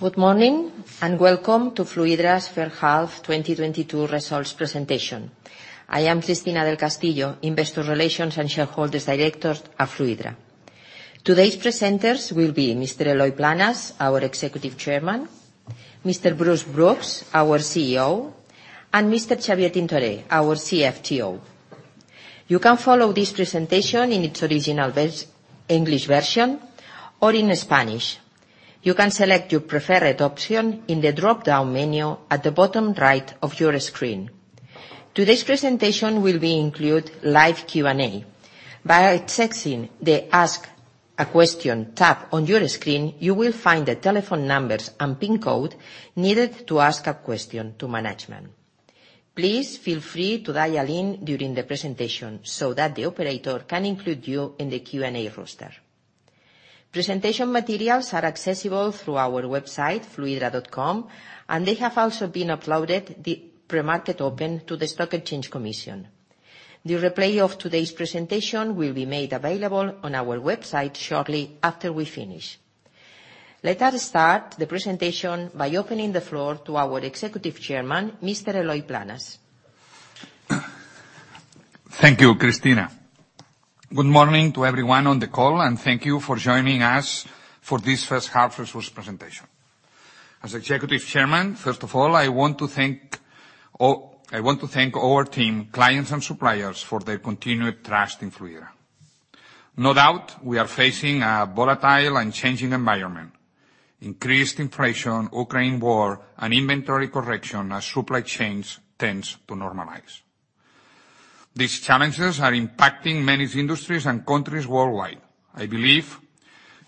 Good morning, and welcome to Fluidra's first half 2022 results presentation. I am Cristina del Castillo, Director of Investor & Shareholders Relations at Fluidra. Today's presenters will be Mr. Eloy Planes, our Executive Chairman, Mr. Bruce Brooks, our CEO, and Mr. Xavier Tintoré, our CFTO. You can follow this presentation in its original English version or in Spanish. You can select your preferred option in the dropdown menu at the bottom right of your screen. Today's presentation will include live Q&A. By accessing the Ask a Question tab on your screen, you will find the telephone numbers and PIN code needed to ask a question to management. Please feel free to dial in during the presentation so that the operator can include you in the Q&A roster. Presentation materials are accessible through our website, fluidra.com, and they have also been uploaded pre-market to the CNMV. The replay of today's presentation will be made available on our website shortly after we finish. Let us start the presentation by opening the floor to our Executive Chairman, Mr. Eloy Planes. Thank you, Cristina. Good morning to everyone on the call, and thank you for joining us for this first half results presentation. As executive chairman, first of all, I want to thank our team, clients and suppliers for their continued trust in Fluidra. No doubt, we are facing a volatile and changing environment, increased inflation, Ukraine war and inventory correction as supply chains tend to normalize. These challenges are impacting many industries and countries worldwide. I believe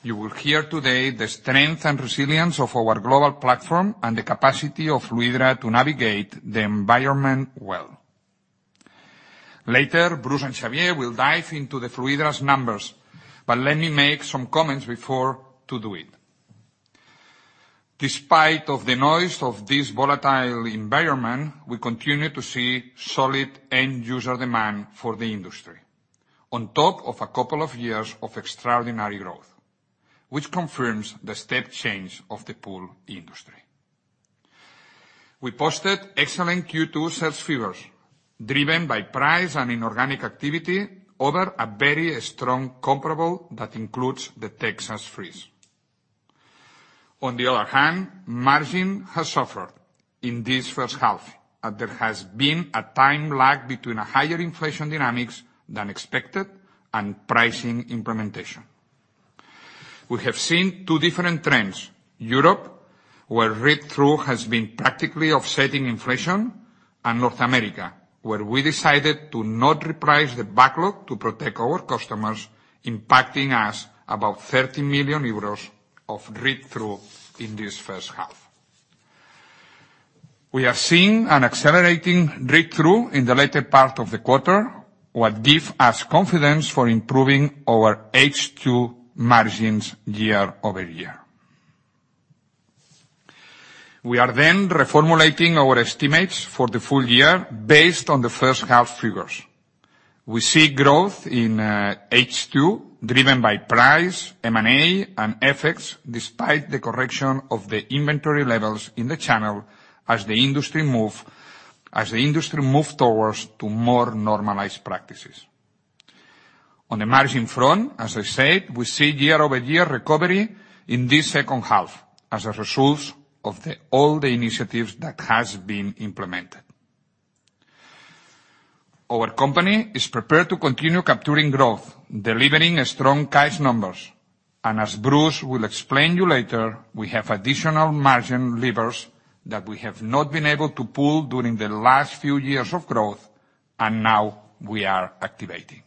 you will hear today the strength and resilience of our global platform and the capacity of Fluidra to navigate the environment well. Later, Bruce and Xavier will dive into Fluidra's numbers, but let me make some comments before to do it. Despite of the noise of this volatile environment, we continue to see solid end user demand for the industry. On top of a couple of years of extraordinary growth, which confirms the step change of the pool industry. We posted excellent Q2 sales figures, driven by price and inorganic activity over a very strong comparable that includes the Texas freeze. On the other hand, margin has suffered in this first half, and there has been a time lag between a higher inflation dynamics than expected and pricing implementation. We have seen two different trends, Europe, where read-through has been practically offsetting inflation, and North America, where we decided to not reprice the backlog to protect our customers, impacting us about 30 million euros of read-through in this first half. We are seeing an accelerating read-through in the latter part of the quarter, what give us confidence for improving our H2 margins year-over-year. We are reformulating our estimates for the full year based on the first half figures. We see growth in H2 driven by price, M&A, and FX, despite the correction of the inventory levels in the channel as the industry moves towards more normalized practices. On the margin front, as I said, we see year-over-year recovery in this second half as a result of all the initiatives that have been implemented. Our company is prepared to continue capturing growth, delivering strong cash numbers, and as Bruce will explain to you later, we have additional margin levers that we have not been able to pull during the last few years of growth and now we are activating.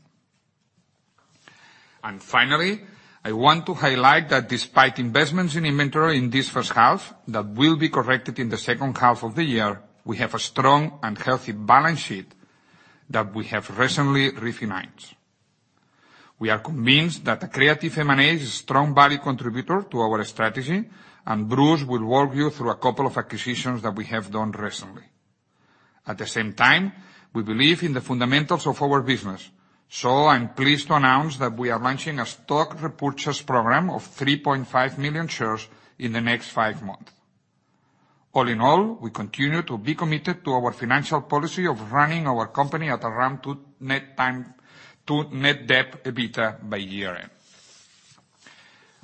Finally, I want to highlight that despite investments in inventory in this first half that will be corrected in the second half of the year, we have a strong and healthy balance sheet that we have recently refined. We are convinced that the creative M&A is a strong value contributor to our strategy, and Bruce will walk you through a couple of acquisitions that we have done recently. At the same time, we believe in the fundamentals of our business, so I'm pleased to announce that we are launching a stock repurchase program of 3.5 million shares in the next five months. All in all, we continue to be committed to our financial policy of running our company at around two net debt EBITDA by year-end.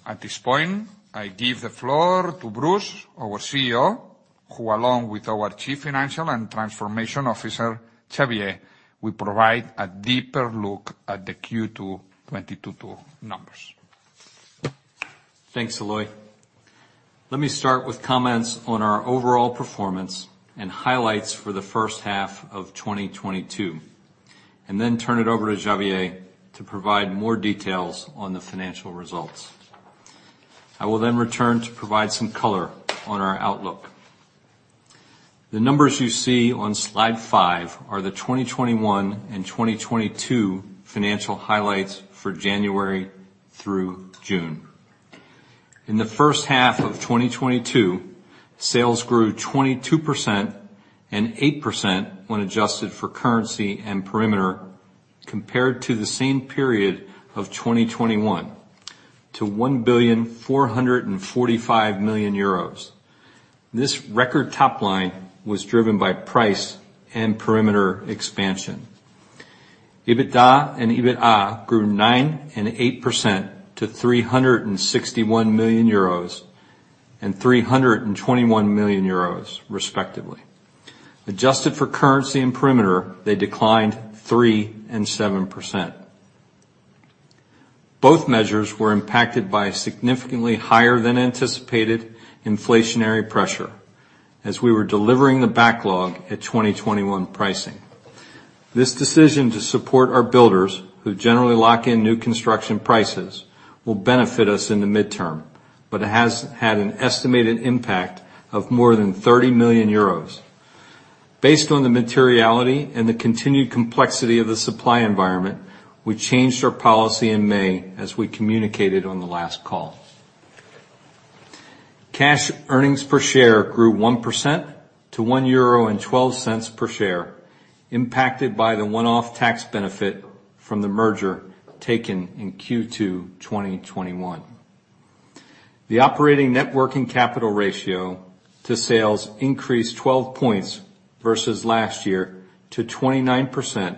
At this point, I give the floor to Bruce, our CEO, who along with our Chief Financial and Transformation Officer, Xavier, will provide a deeper look at the Q2 2022 numbers. Thanks, Eloy. Let me start with comments on our overall performance and highlights for the first half of 2022, and then turn it over to Xavier to provide more details on the financial results. I will then return to provide some color on our outlook. The numbers you see on slide five are the 2021 and 2022 financial highlights for January through June. In the first half of 2022, sales grew 22% and 8% when adjusted for currency and perimeter compared to the same period of 2021 to 1,445 million euros. This record top line was driven by price and perimeter expansion. EBITDA grew 9% and 8% to 361 million euros and 321 million euros respectively. Adjusted for currency and perimeter, they declined 3% and 7%. Both measures were impacted by significantly higher than anticipated inflationary pressure as we were delivering the backlog at 2021 pricing. This decision to support our builders who generally lock in new construction prices will benefit us in the midterm, but it has had an estimated impact of more than 30 million euros. Based on the materiality and the continued complexity of the supply environment, we changed our policy in May as we communicated on the last call. Cash earnings per share grew 1% to 1.12 euro per share, impacted by the one-off tax benefit from the merger taken in Q2 2021. The operating net working capital ratio to sales increased 12 points versus last year to 29%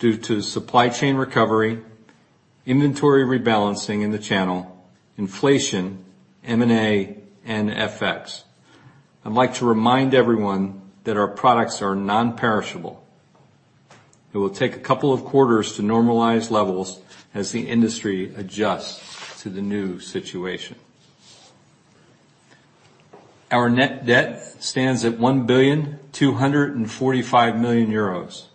due to supply chain recovery, inventory rebalancing in the channel, inflation, M&A, and FX. I'd like to remind everyone that our products are non-perishable. It will take a couple of quarters to normalize levels as the industry adjusts to the new situation. Our net debt stands at 1,245 million euros.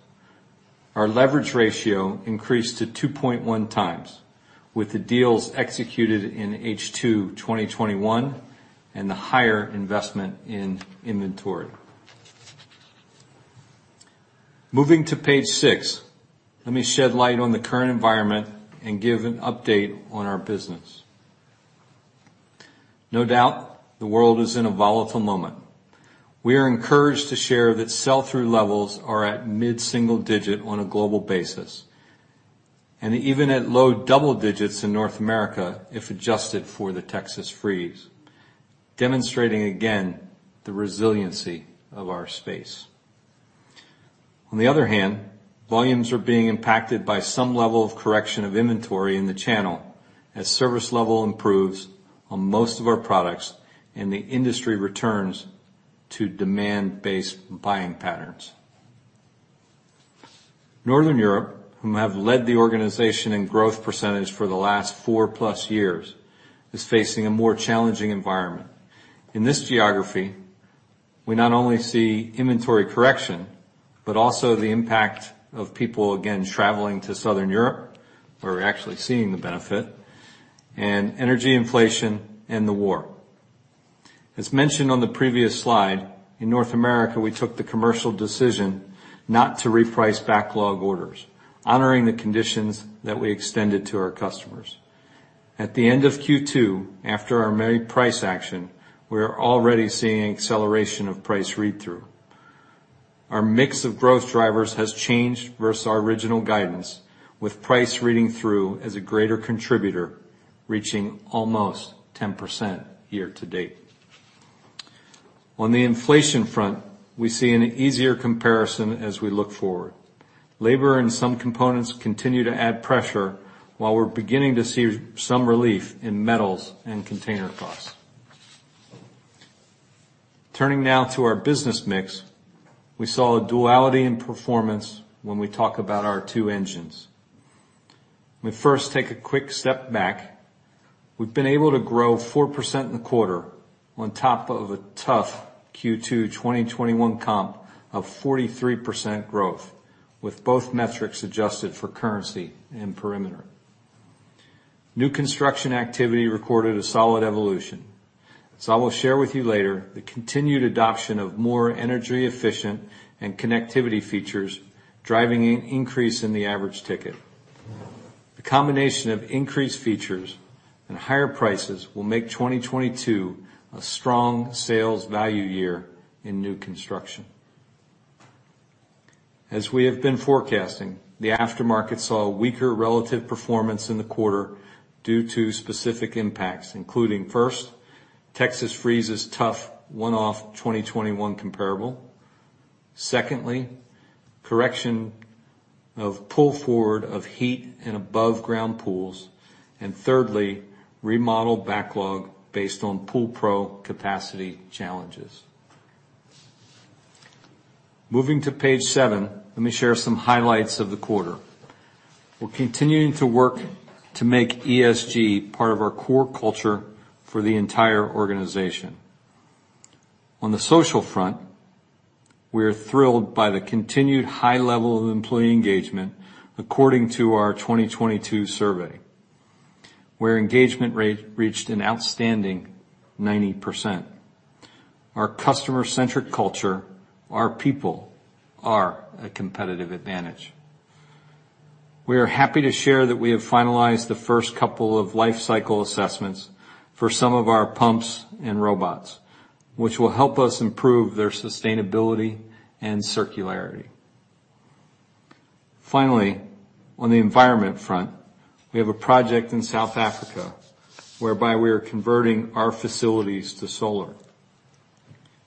Our leverage ratio increased to 2.1x with the deals executed in H2 2021 and the higher investment in inventory. Moving to page six, let me shed light on the current environment and give an update on our business. No doubt, the world is in a volatile moment. We are encouraged to share that sell-through levels are at mid-single digit on a global basis, and even at low double digits in North America if adjusted for the Texas freeze, demonstrating again the resiliency of our space. On the other hand, volumes are being impacted by some level of correction of inventory in the channel as service level improves on most of our products and the industry returns to demand-based buying patterns. Northern Europe, whom have led the organization in growth percentage for the last four-plus years, is facing a more challenging environment. In this geography, we not only see inventory correction, but also the impact of people again traveling to Southern Europe, where we're actually seeing the benefit, and energy inflation and the war. As mentioned on the previous slide, in North America, we took the commercial decision not to reprice backlog orders, honoring the conditions that we extended to our customers. At the end of Q2, after our May price action, we are already seeing acceleration of price read-through. Our mix of growth drivers has changed versus our original guidance, with price reading through as a greater contributor, reaching almost 10% year to date. On the inflation front, we see an easier comparison as we look forward. Labor and some components continue to add pressure while we're beginning to see some relief in metals and container costs. Turning now to our business mix, we saw a duality in performance when we talk about our two engines. Let me first take a quick step back. We've been able to grow 4% in the quarter on top of a tough Q2 2021 comp of 43% growth, with both metrics adjusted for currency and perimeter. New construction activity recorded a solid evolution. As I will share with you later, the continued adoption of more energy efficient and connectivity features driving an increase in the average ticket. The combination of increased features and higher prices will make 2022 a strong sales value year in new construction. As we have been forecasting, the aftermarket saw weaker relative performance in the quarter due to specific impacts, including, first, Texas freeze's tough one-off 2021 comparable. Secondly, correction of pull forward of heat and above ground pools. And thirdly, remodel backlog based on PoolPro capacity challenges. Moving to page seven, let me share some highlights of the quarter. We're continuing to work to make ESG part of our core culture for the entire organization. On the social front, we are thrilled by the continued high level of employee engagement according to our 2022 survey, where engagement rate reached an outstanding 90%. Our customer-centric culture, our people, are a competitive advantage. We are happy to share that we have finalized the first couple of life cycle assessments for some of our pumps and robots, which will help us improve their sustainability and circularity. Finally, on the environment front, we have a project in South Africa whereby we are converting our facilities to solar.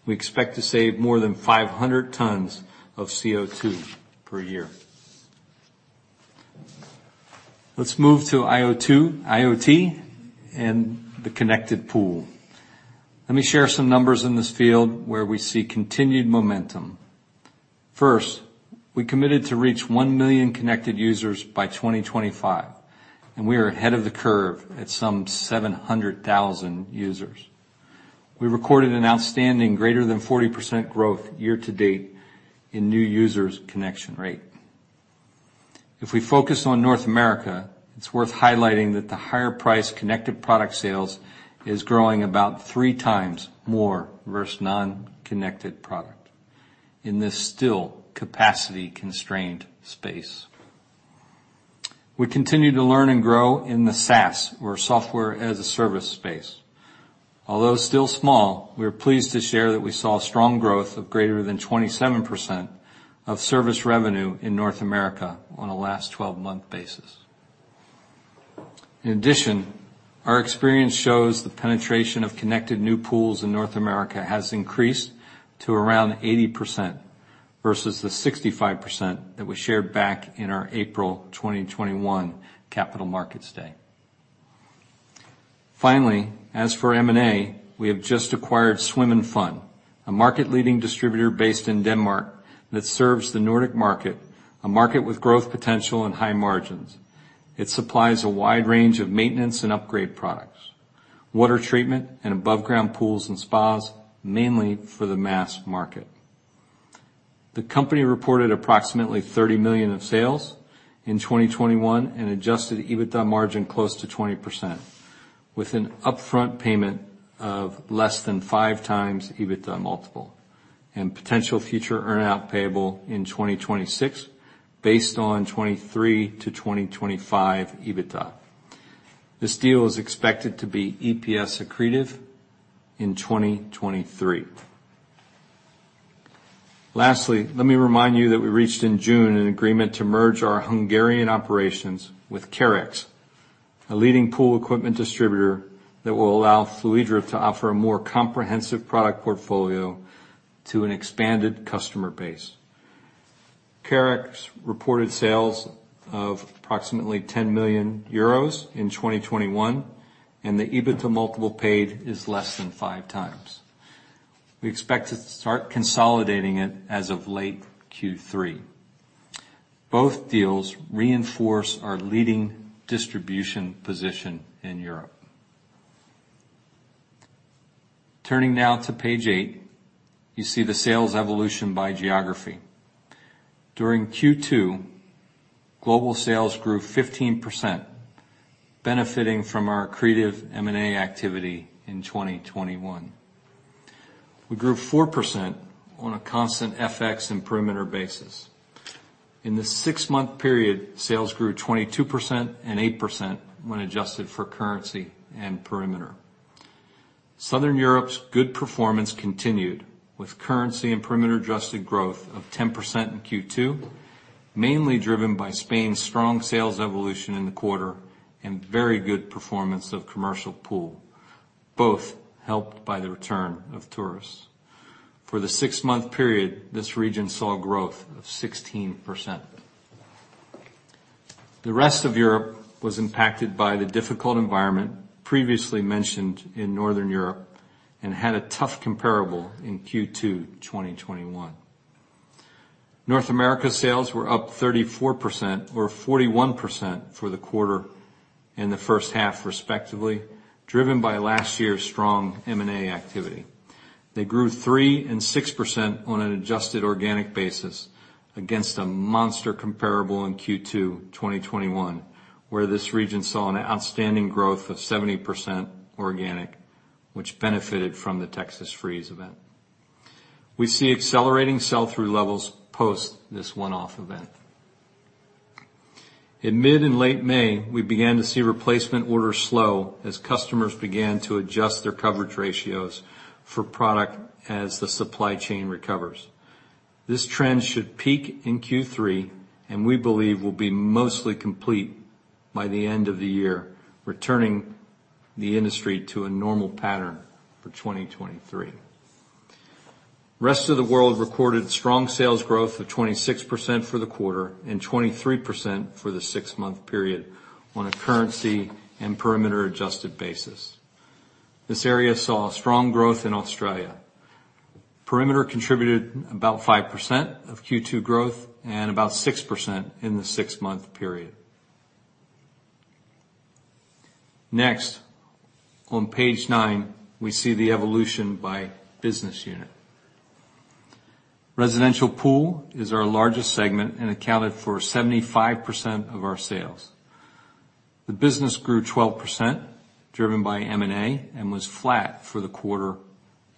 We expect to save more than 500 tons of CO₂ per year. Let's move to IoT and the connected pool. Let me share some numbers in this field where we see continued momentum. First, we committed to reach 1 million connected users by 2025, and we are ahead of the curve at some 700,000 users. We recorded an outstanding greater than 40% growth year-to-date in new users connection rate. If we focus on North America, it's worth highlighting that the higher priced connected product sales is growing about 3x more versus non-connected product in this still capacity-constrained space. We continue to learn and grow in the SaaS or Software as a Service space. Although still small, we are pleased to share that we saw strong growth of greater than 27% of service revenue in North America on a last 12-month basis. In addition, our experience shows the penetration of connected new pools in North America has increased to around 80% versus the 65% that we shared back in our April 2021 Capital Markets Day. Finally, as for M&A, we have just acquired Swim & Fun, a market-leading distributor based in Denmark that serves the Nordic market, a market with growth potential and high margins. It supplies a wide range of maintenance and upgrade products, water treatment, and above ground pools and spas, mainly for the mass market. The company reported approximately 30 million of sales in 2021 and adjusted EBITDA margin close to 20% with an upfront payment of less than 5x EBITDA multiple, and potential future earn-out payable in 2026 based on 2023-2025 EBITDA. This deal is expected to be EPS accretive in 2023. Lastly, let me remind you that we reached in June an agreement to merge our Hungarian operations with Kerex, a leading pool equipment distributor that will allow Fluidra to offer a more comprehensive product portfolio to an expanded customer base. Kerex reported sales of approximately 10 million euros in 2021, and the EBITDA multiple paid is less than 5x. We expect to start consolidating it as of late Q3. Both deals reinforce our leading distribution position in Europe. Turning now to page 8, you see the sales evolution by geography. During Q2, global sales grew 15%, benefiting from our accretive M&A activity in 2021. We grew 4% on a constant FX and perimeter basis. In the six-month period, sales grew 22% and 8% when adjusted for currency and perimeter. Southern Europe's good performance continued with currency and perimeter adjusted growth of 10% in Q2, mainly driven by Spain's strong sales evolution in the quarter and very good performance of commercial pool, both helped by the return of tourists. For the six-month period, this region saw growth of 16%. The rest of Europe was impacted by the difficult environment previously mentioned in Northern Europe and had a tough comparable in Q2 2021. North America sales were up 34% or 41% for the quarter in the first half, respectively, driven by last year's strong M&A activity. They grew 3% and 6% on an adjusted organic basis against a monster comparable in Q2 2021, where this region saw an outstanding growth of 70% organic, which benefited from the Texas freeze event. We see accelerating sell-through levels post this one-off event. In mid and late May, we began to see replacement orders slow as customers began to adjust their coverage ratios for product as the supply chain recovers. This trend should peak in Q3, and we believe will be mostly complete by the end of the year, returning the industry to a normal pattern for 2023. Rest of the world recorded strong sales growth of 26% for the quarter and 23% for the six-month period on a currency and perimeter-adjusted basis. This area saw strong growth in Australia. Perimeter contributed about 5% of Q2 growth and about 6% in the six-month period. Next, on page nine, we see the evolution by business unit. Residential pool is our largest segment and accounted for 75% of our sales. The business grew 12% driven by M&A, and was flat for the quarter,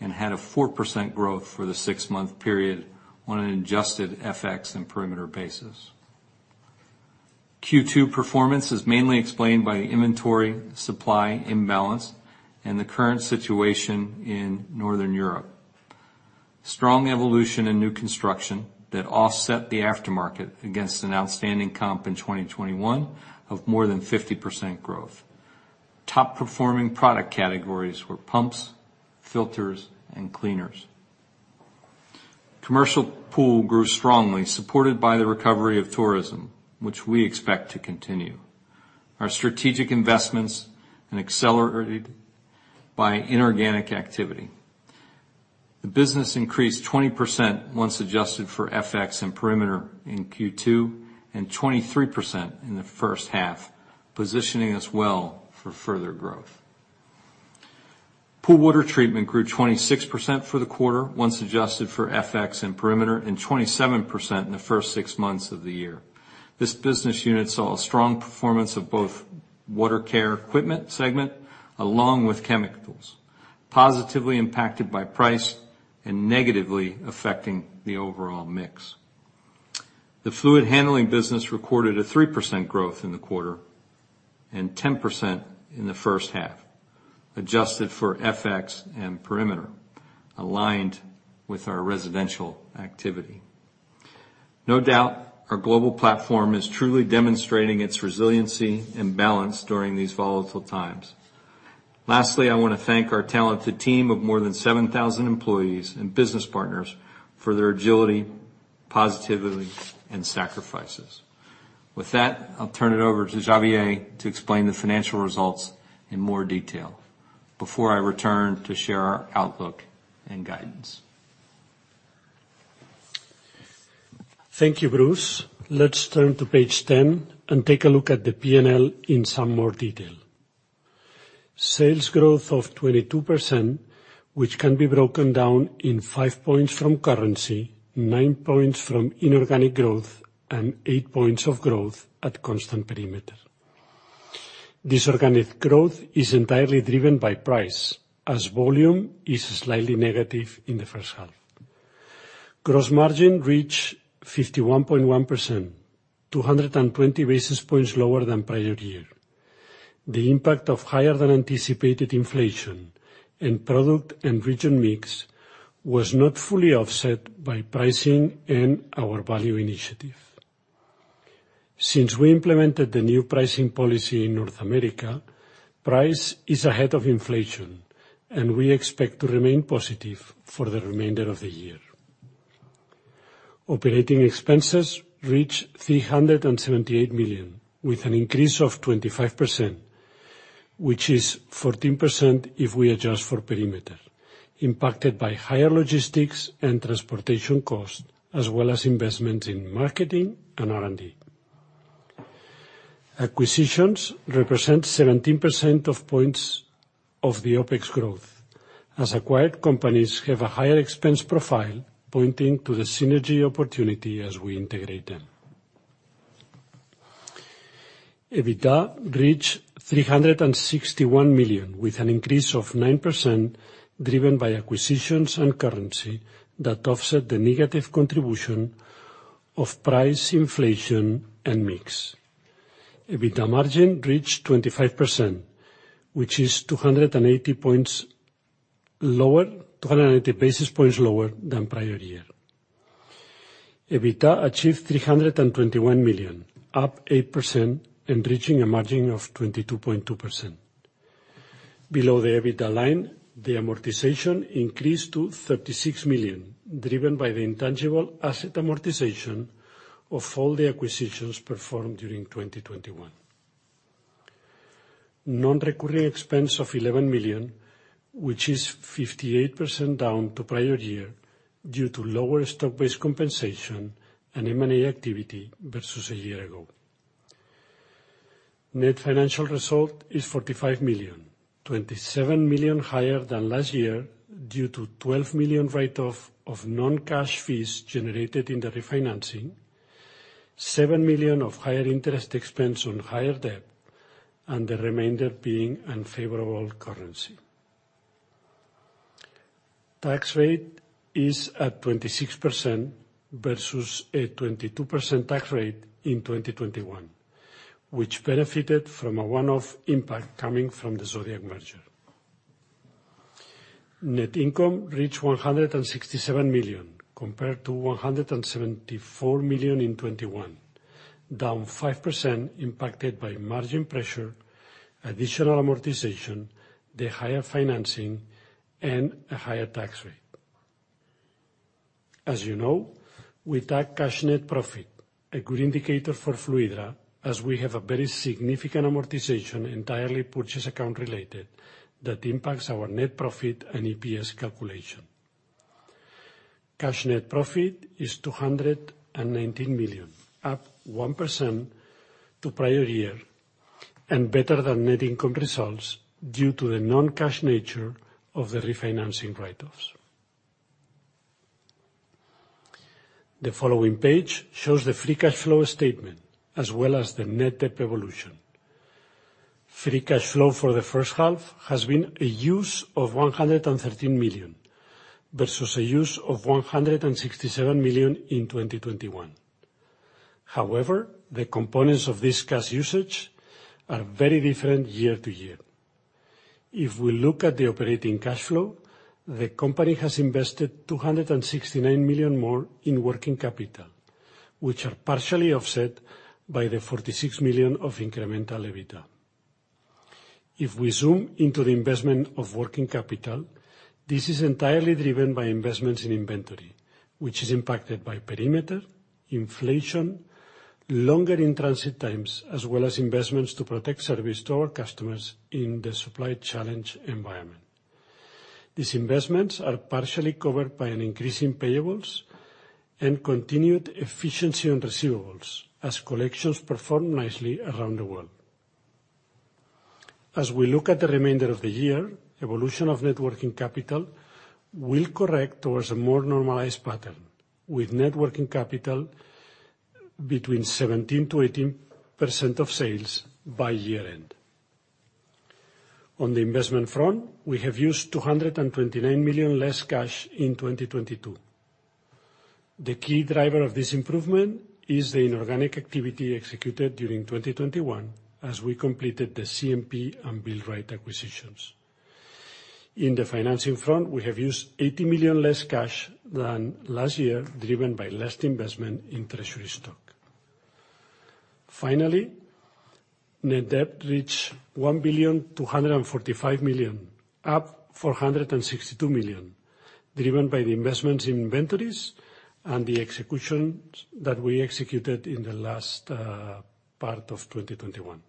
and had a 4% growth for the six-month period on an adjusted FX and perimeter basis. Q2 performance is mainly explained by inventory, supply imbalance, and the current situation in Northern Europe. Strong evolution in new construction that offset the aftermarket against an outstanding comp in 2021 of more than 50% growth. Top performing product categories were pumps, filters, and cleaners. Commercial pool grew strongly, supported by the recovery of tourism, which we expect to continue. Our strategic investments, accelerated by inorganic activity. The business increased 20% once adjusted for FX and perimeter in Q2, and 23% in the first half, positioning us well for further growth. Pool water treatment grew 26% for the quarter once adjusted for FX and perimeter, and 27% in the first six months of the year. This business unit saw a strong performance of both water care equipment segment along with chemicals, positively impacted by price, negatively affecting the overall mix. The fluid handling business recorded a 3% growth in the quarter and 10% in the first half, adjusted for FX and perimeter, aligned with our residential activity. No doubt, our global platform is truly demonstrating its resiliency and balance during these volatile times. Lastly, I wanna thank our talented team of more than 7,000 employees and business partners for their agility, positivity, and sacrifices. With that, I'll turn it over to Xavier to explain the financial results in more detail before I return to share our outlook and guidance. Thank you, Bruce. Let's turn to page 10 and take a look at the P&L in some more detail. Sales growth of 22%, which can be broken down in five points from currency, nine points from inorganic growth, and eight points of growth at constant perimeter. This organic growth is entirely driven by price, as volume is slightly negative in the first half. Gross margin reached 51.1%, 220 basis points lower than prior year. The impact of higher than anticipated inflation in product and region mix was not fully offset by pricing and our value initiative. Since we implemented the new pricing policy in North America, price is ahead of inflation, and we expect to remain positive for the remainder of the year. Operating expenses reached 378 million, with an increase of 25%, which is 14% if we adjust for perimeter, impacted by higher logistics and transportation costs, as well as investments in marketing and R&D. Acquisitions represent 17% of points of the OpEx growth, as acquired companies have a higher expense profile pointing to the synergy opportunity as we integrate them. EBITDA reached 361 million, with an increase of 9% driven by acquisitions and currency that offset the negative contribution of price inflation and mix. EBITDA margin reached 25%, which is 280 basis points lower than prior year. EBITDA achieved 321 million, up 8%, and reaching a margin of 22.2%. Below the EBITDA line, the amortization increased to 36 million, driven by the intangible asset amortization of all the acquisitions performed during 2021. Non-recurring expense of 11 million, which is 58% down to prior year due to lower stock-based compensation and M&A activity versus a year ago. Net financial result is 45 million, 27 million higher than last year due to 12 million write-off of non-cash fees generated in the refinancing, 7 million of higher interest expense on higher debt, and the remainder being unfavorable currency. Tax rate is at 26% versus a 22% tax rate in 2021, which benefited from a one-off impact coming from the Zodiac merger. Net income reached 167 million compared to 174 million in 2021, down 5% impacted by margin pressure, additional amortization, the higher financing, and a higher tax rate. As you know, with that cash net profit, a good indicator for Fluidra, as we have a very significant amortization, entirely purchase accounting related, that impacts our net profit and EPS calculation. Cash net profit is 219 million, up 1% to prior year, and better than net income results due to the non-cash nature of the refinancing write-offs. The following page shows the free cash flow statement as well as the net debt evolution. Free cash flow for the first half has been a use of 113 million versus a use of 167 million in 2021. However, the components of this cash usage are very different year to year. If we look at the operating cash flow, the company has invested 269 million more in working capital, which are partially offset by the 46 million of incremental EBITDA. If we zoom into the investment of working capital, this is entirely driven by investments in inventory, which is impacted by perimeter, inflation, longer in-transit times, as well as investments to protect service to our customers in the supply challenge environment. These investments are partially covered by an increase in payables and continued efficiency on receivables as collections perform nicely around the world. As we look at the remainder of the year, evolution of net working capital will correct towards a more normalized pattern, with net working capital between 17%-18% of sales by year-end. On the investment front, we have used 229 million less cash in 2022. The key driver of this improvement is the inorganic activity executed during 2021 as we completed the CMP and Built Right acquisitions. On the financing front, we have used 80 million less cash than last year, driven by less investment in treasury stock. Finally, net debt reached 1.245 billion, up 462 million, driven by the investments in inventories and the executions that we executed in the last part of 2021.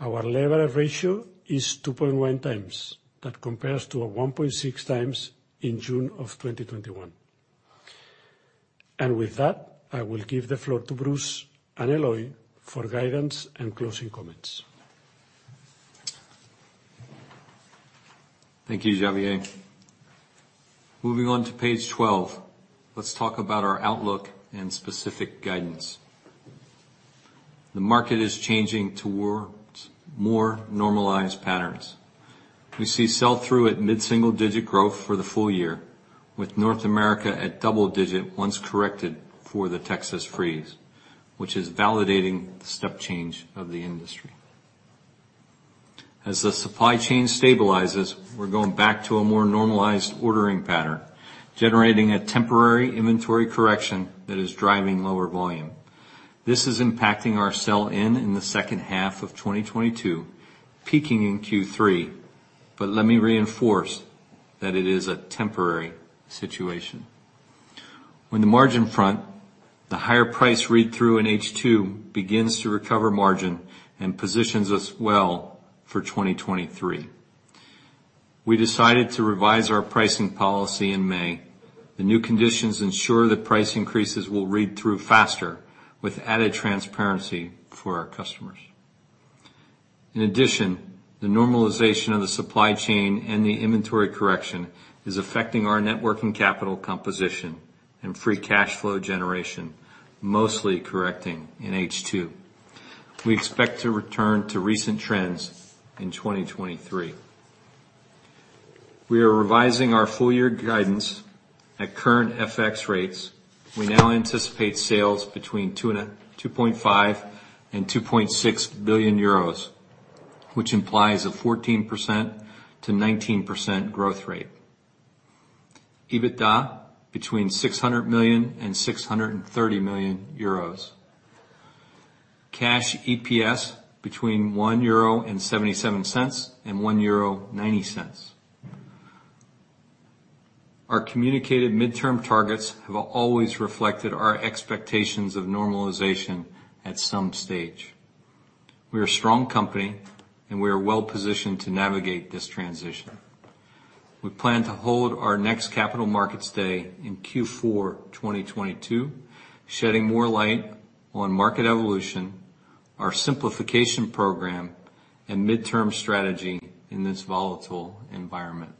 Our leverage ratio is 2.1x. That compares to a 1.6x in June 2021. With that, I will give the floor to Bruce and Eloy for guidance and closing comments. Thank you, Xavier. Moving on to page 12, let's talk about our outlook and specific guidance. The market is changing towards more normalized patterns. We see sell-through at mid-single-digit growth for the full year, with North America at double-digit once corrected for the Texas freeze, which is validating the step change of the industry. As the supply chain stabilizes, we're going back to a more normalized ordering pattern, generating a temporary inventory correction that is driving lower volume. This is impacting our sell-in in the second half of 2022, peaking in Q3. Let me reinforce that it is a temporary situation. On the margin front, the higher price read-through in H2 begins to recover margin and positions us well for 2023. We decided to revise our pricing policy in May. The new conditions ensure that price increases will read through faster with added transparency for our customers. In addition, the normalization of the supply chain and the inventory correction is affecting our net working capital composition and free cash flow generation, mostly correcting in H2. We expect to return to recent trends in 2023. We are revising our full year guidance at current FX rates. We now anticipate sales between 2.5 billion and 2.6 billion euros, which implies a 14%-19% growth rate. EBITDA between 600 million and 630 million euros. Cash EPS between 1.77 euro and 1.90 euro. Our communicated midterm targets have always reflected our expectations of normalization at some stage. We are a strong company, and we are well-positioned to navigate this transition. We plan to hold our next Capital Markets Day in Q4 2022, shedding more light on market evolution, our simplification program, and midterm strategy in this volatile environment.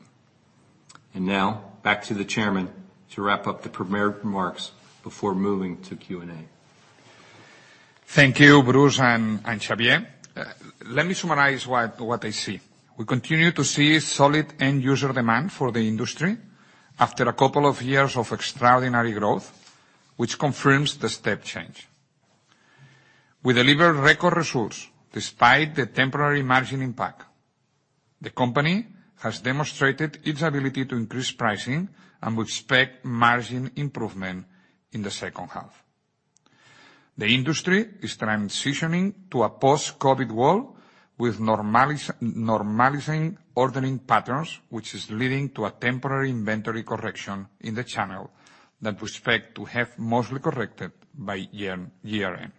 Now, back to the chairman to wrap up the prepared remarks before moving to Q&A. Thank you, Bruce and Xavier. Let me summarize what I see. We continue to see solid end user demand for the industry after a couple of years of extraordinary growth, which confirms the step change. We deliver record results despite the temporary margin impact. The company has demonstrated its ability to increase pricing and we expect margin improvement in the second half. The industry is transitioning to a post-COVID world with normalizing ordering patterns, which is leading to a temporary inventory correction in the channel that we expect to have mostly corrected by year-end.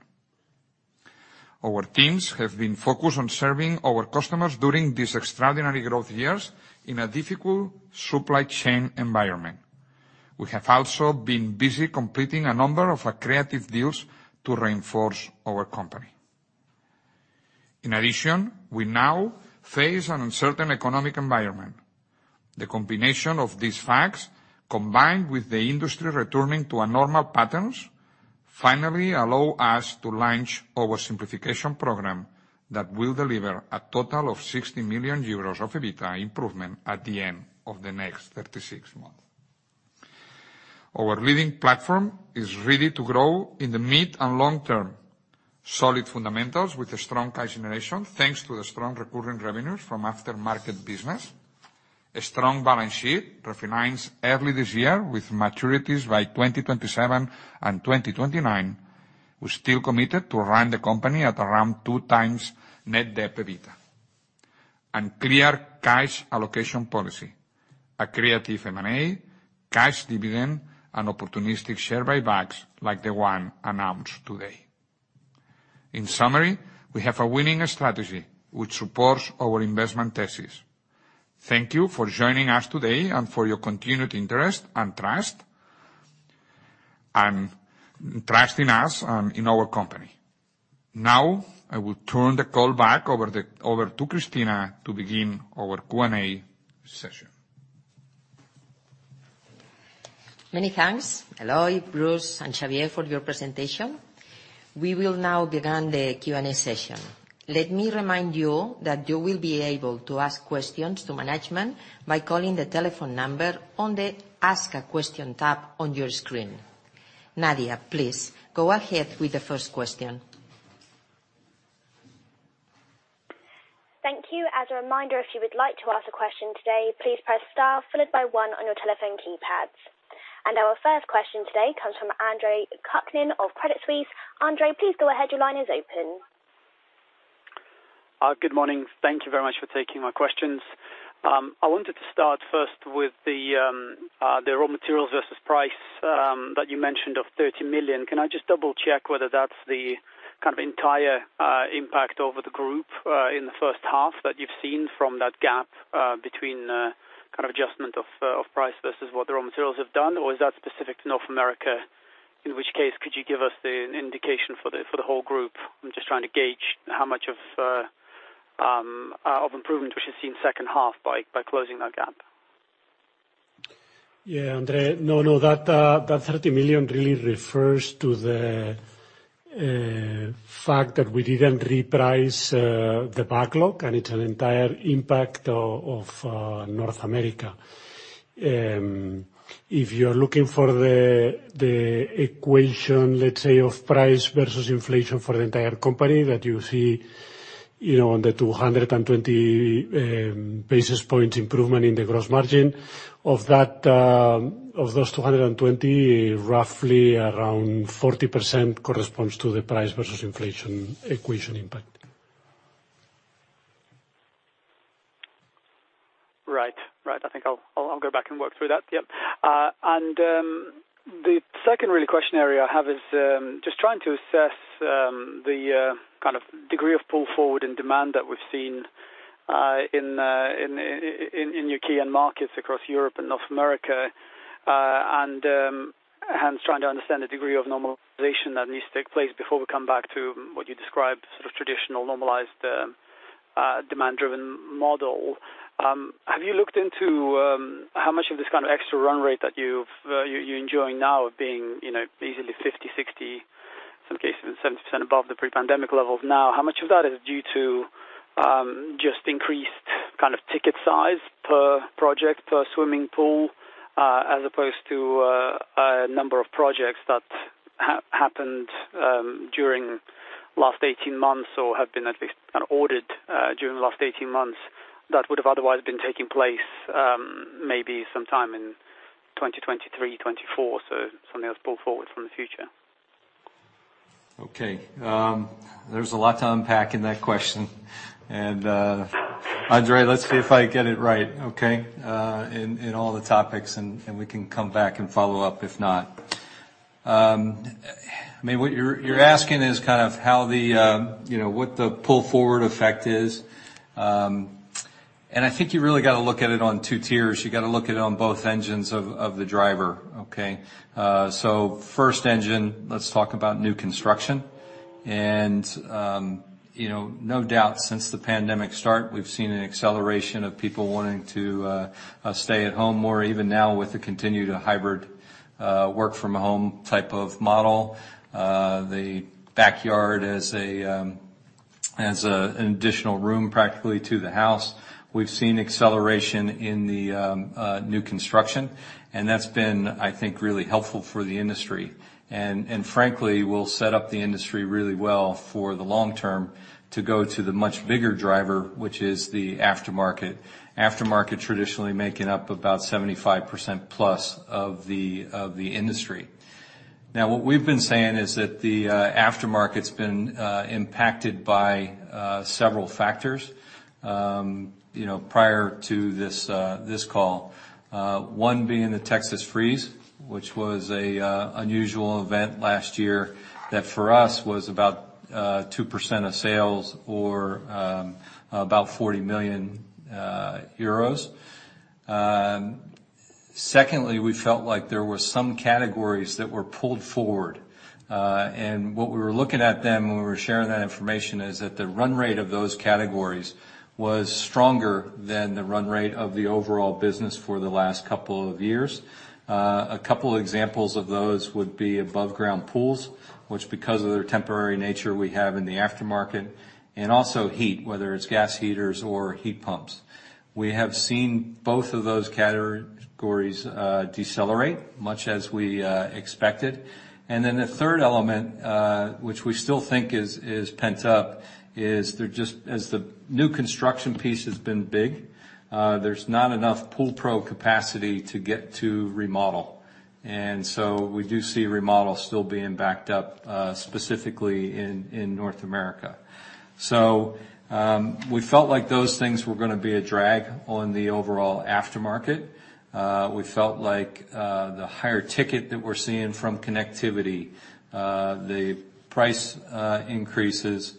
Our teams have been focused on serving our customers during these extraordinary growth years in a difficult supply chain environment. We have also been busy completing a number of accretive deals to reinforce our company. In addition, we now face an uncertain economic environment. The combination of these facts, combined with the industry returning to normal patterns, finally allow us to launch our simplification program that will deliver a total of 60 million euros of EBITDA improvement at the end of the next 36 months. Our leading platform is ready to grow in the mid and long term. Solid fundamentals with a strong cash generation, thanks to the strong recurring revenues from aftermarket business. A strong balance sheet refinanced early this year with maturities by 2027 and 2029. We're still committed to run the company at around 2x net debt EBITDA. Clear cash allocation policy, accretive M&A, cash dividend, and opportunistic share buybacks like the one announced today. In summary, we have a winning strategy which supports our investment thesis. Thank you for joining us today and for your continued interest and trust in us and in our company. Now, I will turn the call back over to Cristina to begin our Q&A session. Many thanks, Eloy, Bruce, and Xavier, for your presentation. We will now begin the Q&A session. Let me remind you that you will be able to ask questions to management by calling the telephone number on the Ask a Question tab on your screen. Nadia, please go ahead with the first question. Thank you. As a reminder, if you would like to ask a question today, please press star followed by one on your telephone keypads. Our first question today comes from Andre Kukhnin of Crédit Suisse. Andre, please go ahead. Your line is open. Good morning. Thank you very much for taking my questions. I wanted to start first with the raw materials versus price that you mentioned of 30 million. Can I just double check whether that's the kind of entire impact over the group in the first half that you've seen from that gap between the kind of adjustment of price versus what the raw materials have done? Or is that specific to North America? In which case, could you give us the indication for the whole group? I'm just trying to gauge how much of improvement we should see in second half by closing that gap. Yeah, Andre. No, no. That 30 million really refers to the fact that we didn't reprice the backlog, and it's an entire impact of North America. If you're looking for the equation, let's say, of price versus inflation for the entire company that you see, you know, on the 220 basis points improvement in the gross margin, of that, of those 220, roughly around 40% corresponds to the price versus inflation equation impact. Right. I think I'll go back and work through that. Yep. The second really question area I have is just trying to assess the kind of degree of pull forward and demand that we've seen in your key end markets across Europe and North America. Hence trying to understand the degree of normalization that needs to take place before we come back to what you described, sort of traditional normalized demand-driven model. Have you looked into how much of this kind of extra run rate that you're enjoying now being, you know, easily 50, 60, some cases 70% above the pre-pandemic levels now? How much of that is due to, just increased kind of ticket size per project, per swimming pool, as opposed to, a number of projects that happened, during last 18 months or have been at least kind of ordered, during the last 18 months that would have otherwise been taking place, maybe sometime in 2023, 2024, so something that was pulled forward from the future? Okay. There's a lot to unpack in that question. Andre, let's see if I get it right, okay, in all the topics, and we can come back and follow up, if not. I mean, what you're asking is kind of how the, you know, what the pull-forward effect is. I think you really gotta look at it on two tiers. You gotta look at it on both engines of the driver, okay? First engine, let's talk about new construction. You know, no doubt since the pandemic start, we've seen an acceleration of people wanting to stay at home more, even now with the continued hybrid work from home type of model. The backyard as an additional room practically to the house. We've seen acceleration in the new construction, and that's been, I think, really helpful for the industry. Frankly, will set up the industry really well for the long term to go to the much bigger driver, which is the aftermarket. Aftermarket traditionally making up about 75% plus of the industry. Now, what we've been saying is that the aftermarket's been impacted by several factors, you know, prior to this call. One being the Texas freeze, which was a unusual event last year that for us was about 2% of sales or about EUR 40 million. Secondly, we felt like there were some categories that were pulled forward. What we were looking at then when we were sharing that information is that the run rate of those categories was stronger than the run rate of the overall business for the last couple of years. A couple examples of those would be above ground pools, which because of their temporary nature we have in the aftermarket, and also heat, whether it's gas heaters or heat pumps. We have seen both of those categories decelerate much as we expected. Then the third element, which we still think is pent up is there just as the new construction piece has been big, there's not enough pool pro capacity to get to remodel. We do see remodel still being backed up, specifically in North America. We felt like those things were gonna be a drag on the overall aftermarket. We felt like the higher ticket that we're seeing from connectivity, the price increases,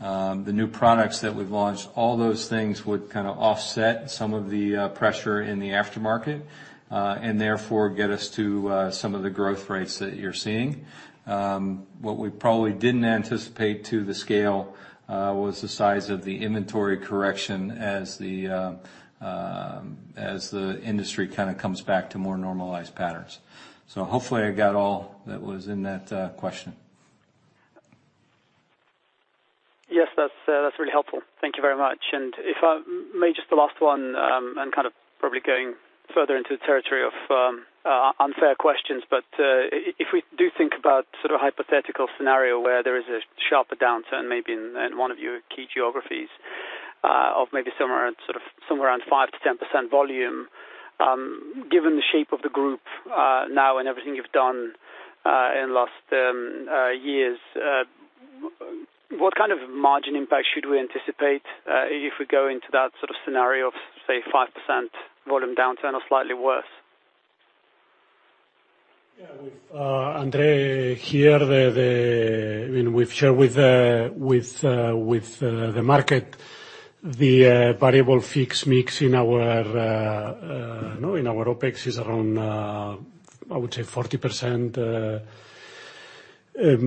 the new products that we've launched, all those things would kinda offset some of the pressure in the aftermarket, and therefore, get us to some of the growth rates that you're seeing. What we probably didn't anticipate to the scale was the size of the inventory correction as the industry kinda comes back to more normalized patterns. Hopefully I got all that was in that question. Yes, that's really helpful. Thank you very much. If I may just the last one, and kind of probably going further into the territory of unfair questions, but if we do think about sort of hypothetical scenario where there is a sharper downturn maybe in one of your key geographies, of maybe somewhere around, sort of somewhere around 5%-10% volume, given the shape of the group now and everything you've done in the last years, what kind of margin impact should we anticipate if we go into that sort of scenario of, say, 5% volume downturn or slightly worse? With Andre here, I mean, we've shared with the market the variable fixed mix in our OpEx is around, I would say 40%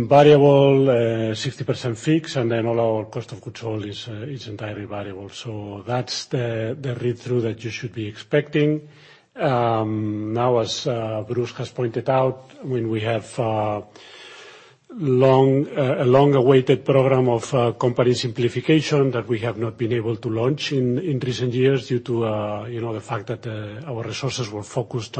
variable, 60% fixed, and then all our cost of control is entirely variable. That's the read-through that you should be expecting. As Bruce has pointed out, we have a long-awaited program of company simplification that we have not been able to launch in recent years due to you know the fact that our resources were focused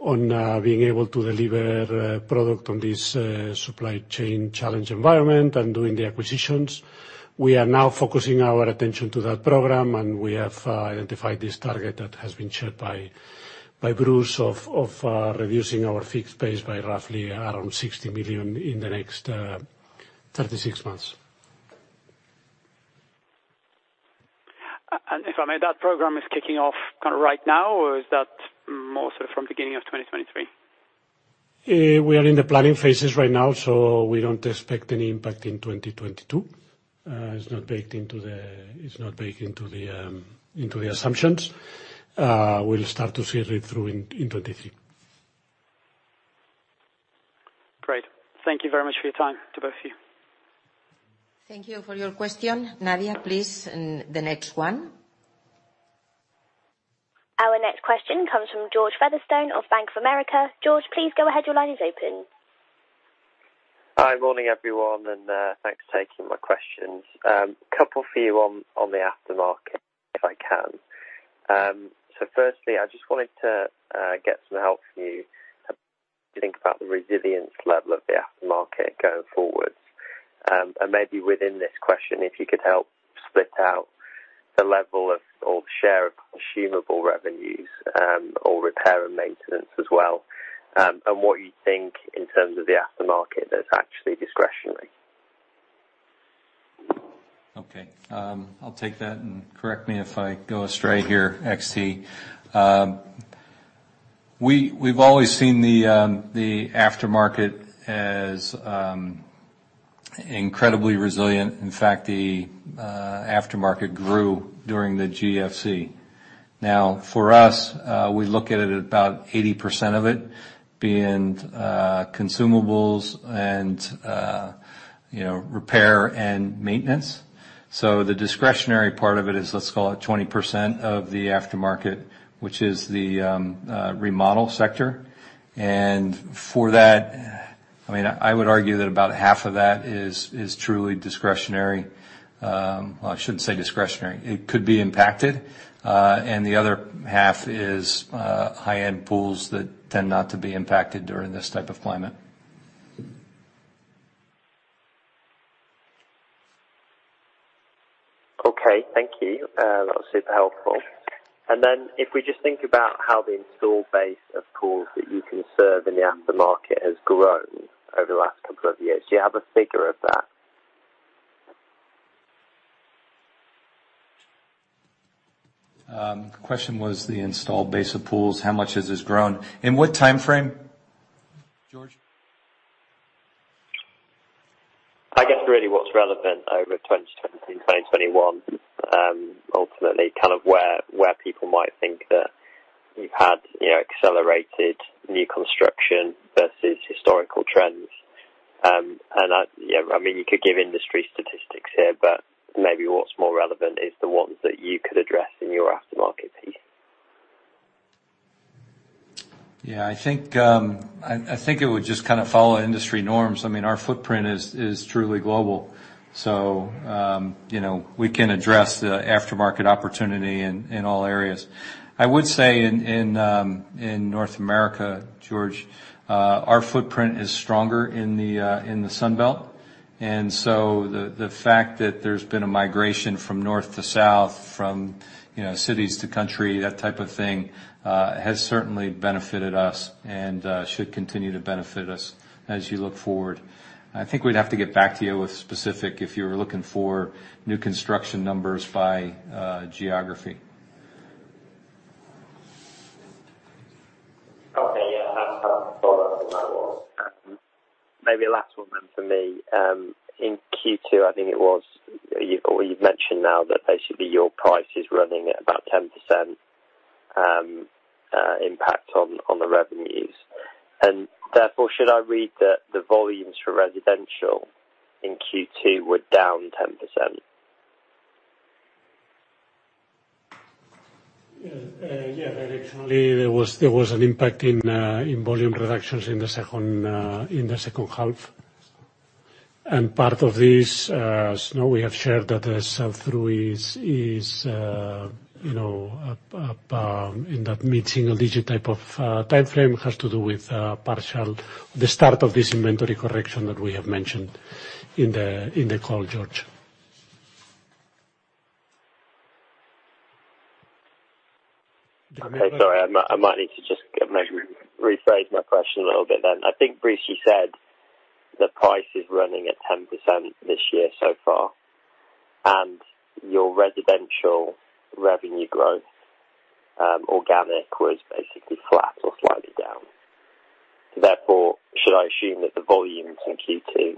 on being able to deliver product on this supply chain challenged environment and doing the acquisitions. We are now focusing our attention to that program, and we have identified this target that has been shared by Bruce of reducing our fixed base by roughly around 60 million in the next 36 months. If I may, that program is kicking off kinda right now, or is that more so from beginning of 2023? We are in the planning phases right now, so we don't expect any impact in 2022. It's not baked into the assumptions. We'll start to see it read through in 2023. Great. Thank you very much for your time, to both of you. Thank you for your question. Nadia, please, the next one. Our next question comes from George Featherstone of Bank of America. George, please go ahead. Your line is open. Hi. Morning, everyone, and thanks for taking my questions. Couple for you on the aftermarket, if I can. Firstly, I just wanted to get some help from you to think about the resilience level of the aftermarket going forward. Maybe within this question, if you could help split out the level of, or the share of consumable revenues, or repair and maintenance as well, and what you think in terms of the aftermarket that's actually discretionary. Okay. I'll take that, and correct me if I go astray here, XT. We've always seen the aftermarket as incredibly resilient. In fact, the aftermarket grew during the GFC. Now, for us, we look at it at about 80% of it being consumables and you know, repair and maintenance. The discretionary part of it is, let's call it 20% of the aftermarket, which is the remodel sector. For that, I mean, I would argue that about half of that is truly discretionary. I shouldn't say discretionary. It could be impacted, and the other half is high-end pools that tend not to be impacted during this type of climate. Okay. Thank you. That was super helpful. If we just think about how the install base of pools that you can serve in the aftermarket has grown over the last couple of years, do you have a figure of that? The question was the installed base of pools. How much has this grown? In what time frame, George? Over 2017, 2021, ultimately kind of where people might think that you've had, you know, accelerated new construction versus historical trends. Yeah, I mean, you could give industry statistics here, but maybe what's more relevant is the ones that you could address in your aftermarket piece. Yeah. I think it would just kind of follow industry norms. I mean, our footprint is truly global. So, you know, we can address the aftermarket opportunity in all areas. I would say in North America, George, our footprint is stronger in the Sun Belt. The fact that there's been a migration from north to south, from, you know, cities to country, that type of thing, has certainly benefited us and should continue to benefit us as you look forward. I think we'd have to get back to you with specifics if you were looking for new construction numbers by geography. That's all. Maybe last one then for me. In Q2, I think it was, you've mentioned now that basically your price is running at about 10% impact on the revenues. Therefore, should I read that the volumes for residential in Q2 were down 10%? Yeah. Yeah. Directionally, there was an impact in volume reductions in the second half. Part of this, as you know, we have shared that the sell-through is, you know, up in that mid-single-digit type of timeframe, has to do with the start of this inventory correction that we have mentioned in the call, George. Okay. Sorry. I might need to just maybe rephrase my question a little bit then. I think Bruce, you said the price is running at 10% this year so far, and your residential revenue growth, organic was basically flat or slightly down. Therefore, should I assume that the volumes in Q2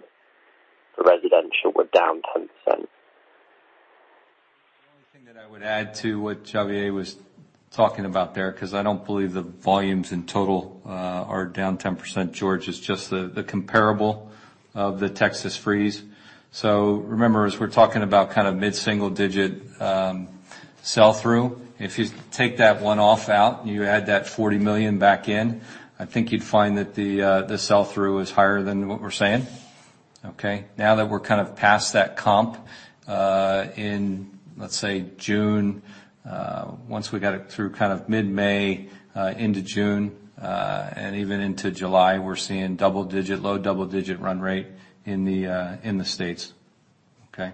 residential were down 10%? The only thing that I would add to what Xavier was talking about there, 'cause I don't believe the volumes in total are down 10%, George. It's just the comparable of the Texas freeze. Remember, as we're talking about kind of mid-single-digit sell-through, if you take that one out and you add that 40 million back in, I think you'd find that the sell-through is higher than what we're saying. Okay? Now that we're kind of past that comp, in, let's say, June, once we got it through kind of mid-May, into June, and even into July, we're seeing double-digit, low double-digit% run rate in the States. Okay?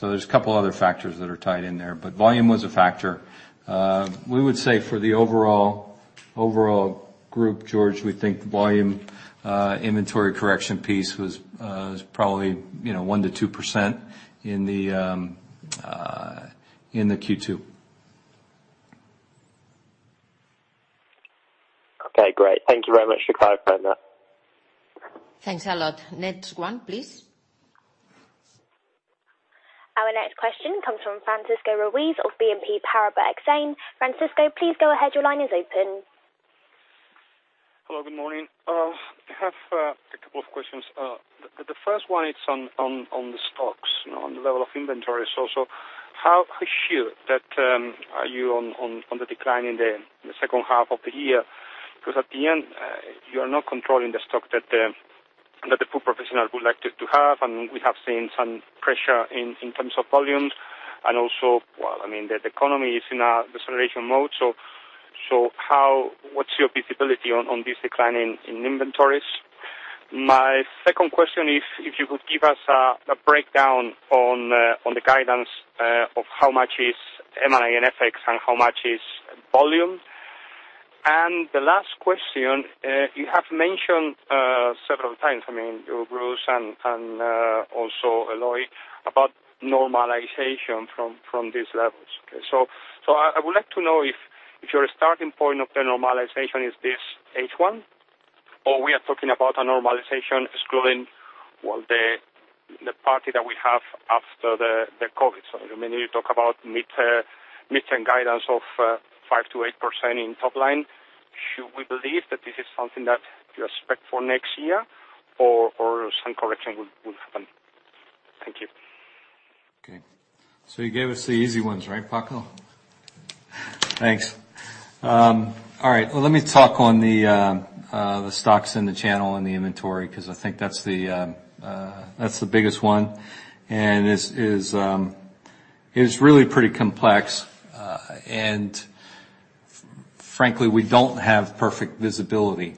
There's a couple other factors that are tied in there, but volume was a factor. We would say for the overall group, George, we think the volume inventory correction piece was probably, you know, 1%-2% in the Q2. Okay, great. Thank you very much for clarifying that. Thanks a lot. Next one, please. Our next question comes from Francisco Ruiz of BNP Paribas Exane. Francisco, please go ahead. Your line is open. Hello, good morning. I have a couple of questions. The first one it's on the stocks, you know, on the level of inventory. So how sure that are you on the decline in the second half of the year? Because at the end, you are not controlling the stock that the pool professional would like to have, and we have seen some pressure in terms of volumes and also, well, I mean, the economy is in a deceleration mode. What's your visibility on this decline in inventories? My second question is if you could give us a breakdown on the guidance of how much is M&A and FX and how much is volume. The last question, you have mentioned several times, I mean, Bruce and also Eloy, about normalization from these levels. I would like to know if your starting point of the normalization is this H1 or we are talking about a normalization excluding, well, the party that we have after the COVID. I mean, you talk about mid-term guidance of 5%-8% in top line. Should we believe that this is something that you expect for next year or some correction will happen? Thank you. Okay. You gave us the easy ones, right, Paco? Thanks. All right. Well, let me talk on the stocks and the channel and the inventory, 'cause I think that's the biggest one. It is really pretty complex. Frankly, we don't have perfect visibility.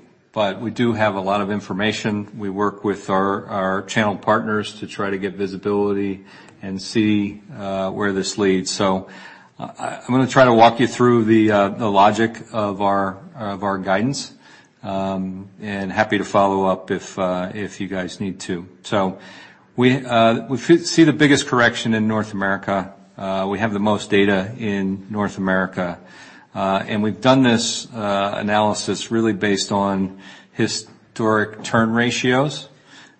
We do have a lot of information. We work with our channel partners to try to get visibility and see where this leads. I'm gonna try to walk you through the logic of our guidance. Happy to follow up if you guys need to. We see the biggest correction in North America. We have the most data in North America. We've done this analysis really based on historic turn ratios,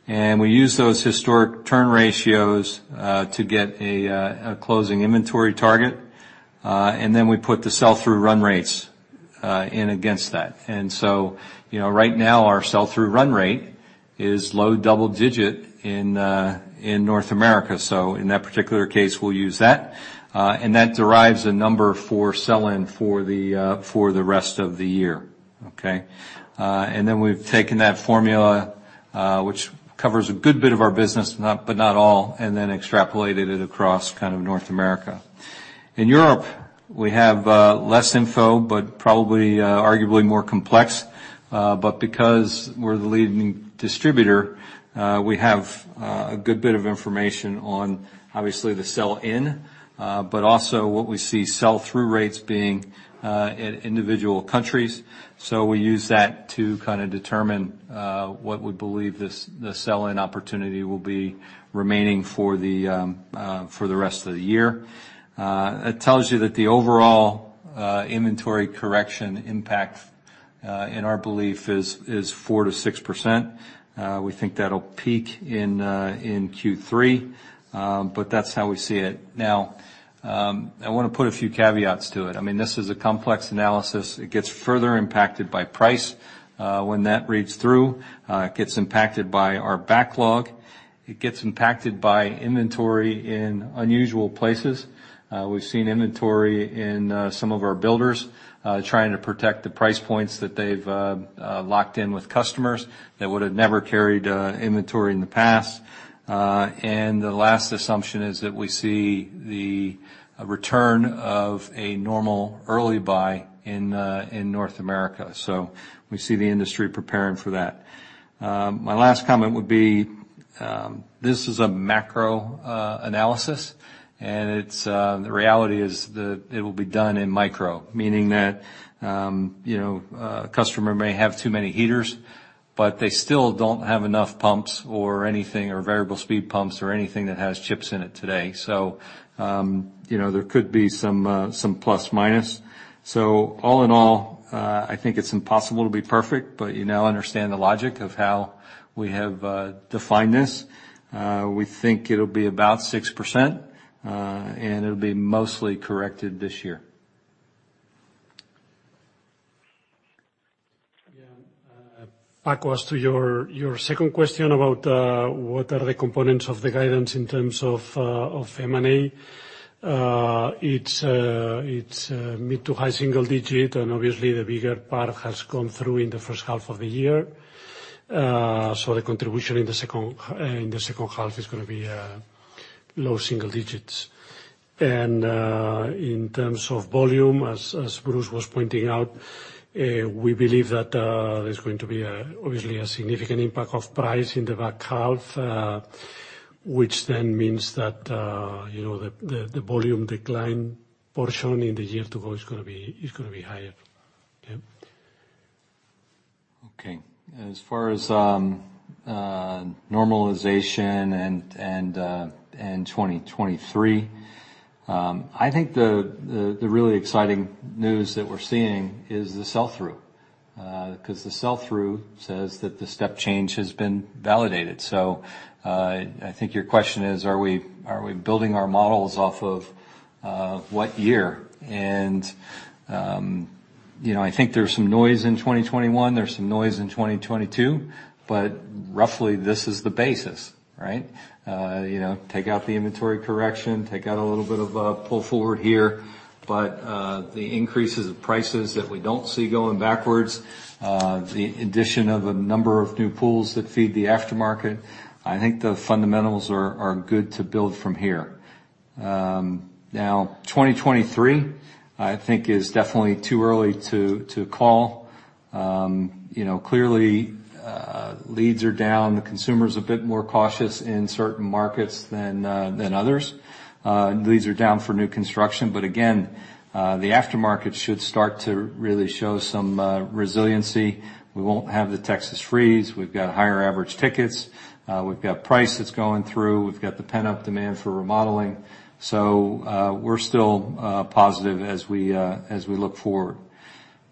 and we use those historic turn ratios to get a closing inventory target. Then we put the sell-through run rates in against that. You know, right now our sell-through run rate is low double-digit% in North America. In that particular case, we'll use that. That derives a number for sell-in for the rest of the year, okay? Then we've taken that formula, which covers a good bit of our business but not all, and then extrapolated it across kind of North America. In Europe, we have less info, but probably arguably more complex. Because we're the leading distributor, we have a good bit of information on obviously the sell-in, but also what we see sell-through rates being in individual countries. We use that to kinda determine what we believe the sell-in opportunity will be remaining for the rest of the year. It tells you that the overall inventory correction impact in our belief is 4%-6%. We think that'll peak in Q3, but that's how we see it. Now, I wanna put a few caveats to it. I mean, this is a complex analysis. It gets further impacted by price when that reads through. It gets impacted by our backlog. It gets impacted by inventory in unusual places. We've seen inventory in some of our builders trying to protect the price points that they've locked in with customers that would have never carried inventory in the past. The last assumption is that we see the return of a normal early buy in North America. We see the industry preparing for that. My last comment would be, this is a macro analysis, and it's the reality is that it will be done in micro, meaning that you know, a customer may have too many heaters, but they still don't have enough pumps or anything, or variable speed pumps or anything that has chips in it today. You know, there could be some plus minus. All in all, I think it's impossible to be perfect, but you now understand the logic of how we have defined this. We think it'll be about 6%, and it'll be mostly corrected this year. Yeah. Back to your second question about what are the components of the guidance in terms of M&A. It's mid- to high-single-digit %, and obviously the bigger part has come through in the first half of the year. The contribution in the second half is gonna be low-single-digit %. In terms of volume, as Bruce was pointing out, we believe that there's going to be obviously a significant impact of price in the back half, which then means that you know, the volume decline portion in the year to go is gonna be higher. Yeah. Okay. As far as normalization and 2023, I think the really exciting news that we're seeing is the sell-through. 'Cause the sell-through says that the step change has been validated. I think your question is, are we building our models off of what year? You know, I think there's some noise in 2021. There's some noise in 2022. Roughly, this is the basis, right? You know, take out the inventory correction, take out a little bit of pull forward here, but the increases of prices that we don't see going backwards, the addition of a number of new pools that feed the aftermarket, I think the fundamentals are good to build from here. Now, 2023, I think is definitely too early to call. You know, clearly, leads are down. The consumer's a bit more cautious in certain markets than others. Leads are down for new construction, but again, the aftermarket should start to really show some resiliency. We won't have the Texas freeze. We've got higher average tickets. We've got price that's going through. We've got the pent-up demand for remodeling. We're still positive as we look forward.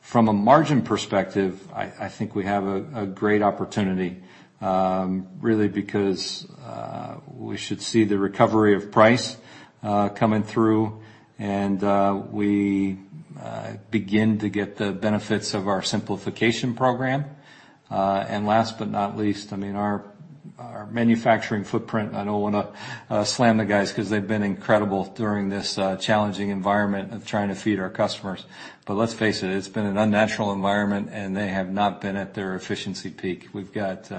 From a margin perspective, I think we have a great opportunity, really because we should see the recovery of price coming through, and we begin to get the benefits of our simplification program. Last but not least, I mean, our manufacturing footprint. I don't wanna slam the guys 'cause they've been incredible during this challenging environment of trying to feed our customers. Let's face it's been an unnatural environment, and they have not been at their efficiency peak. We've got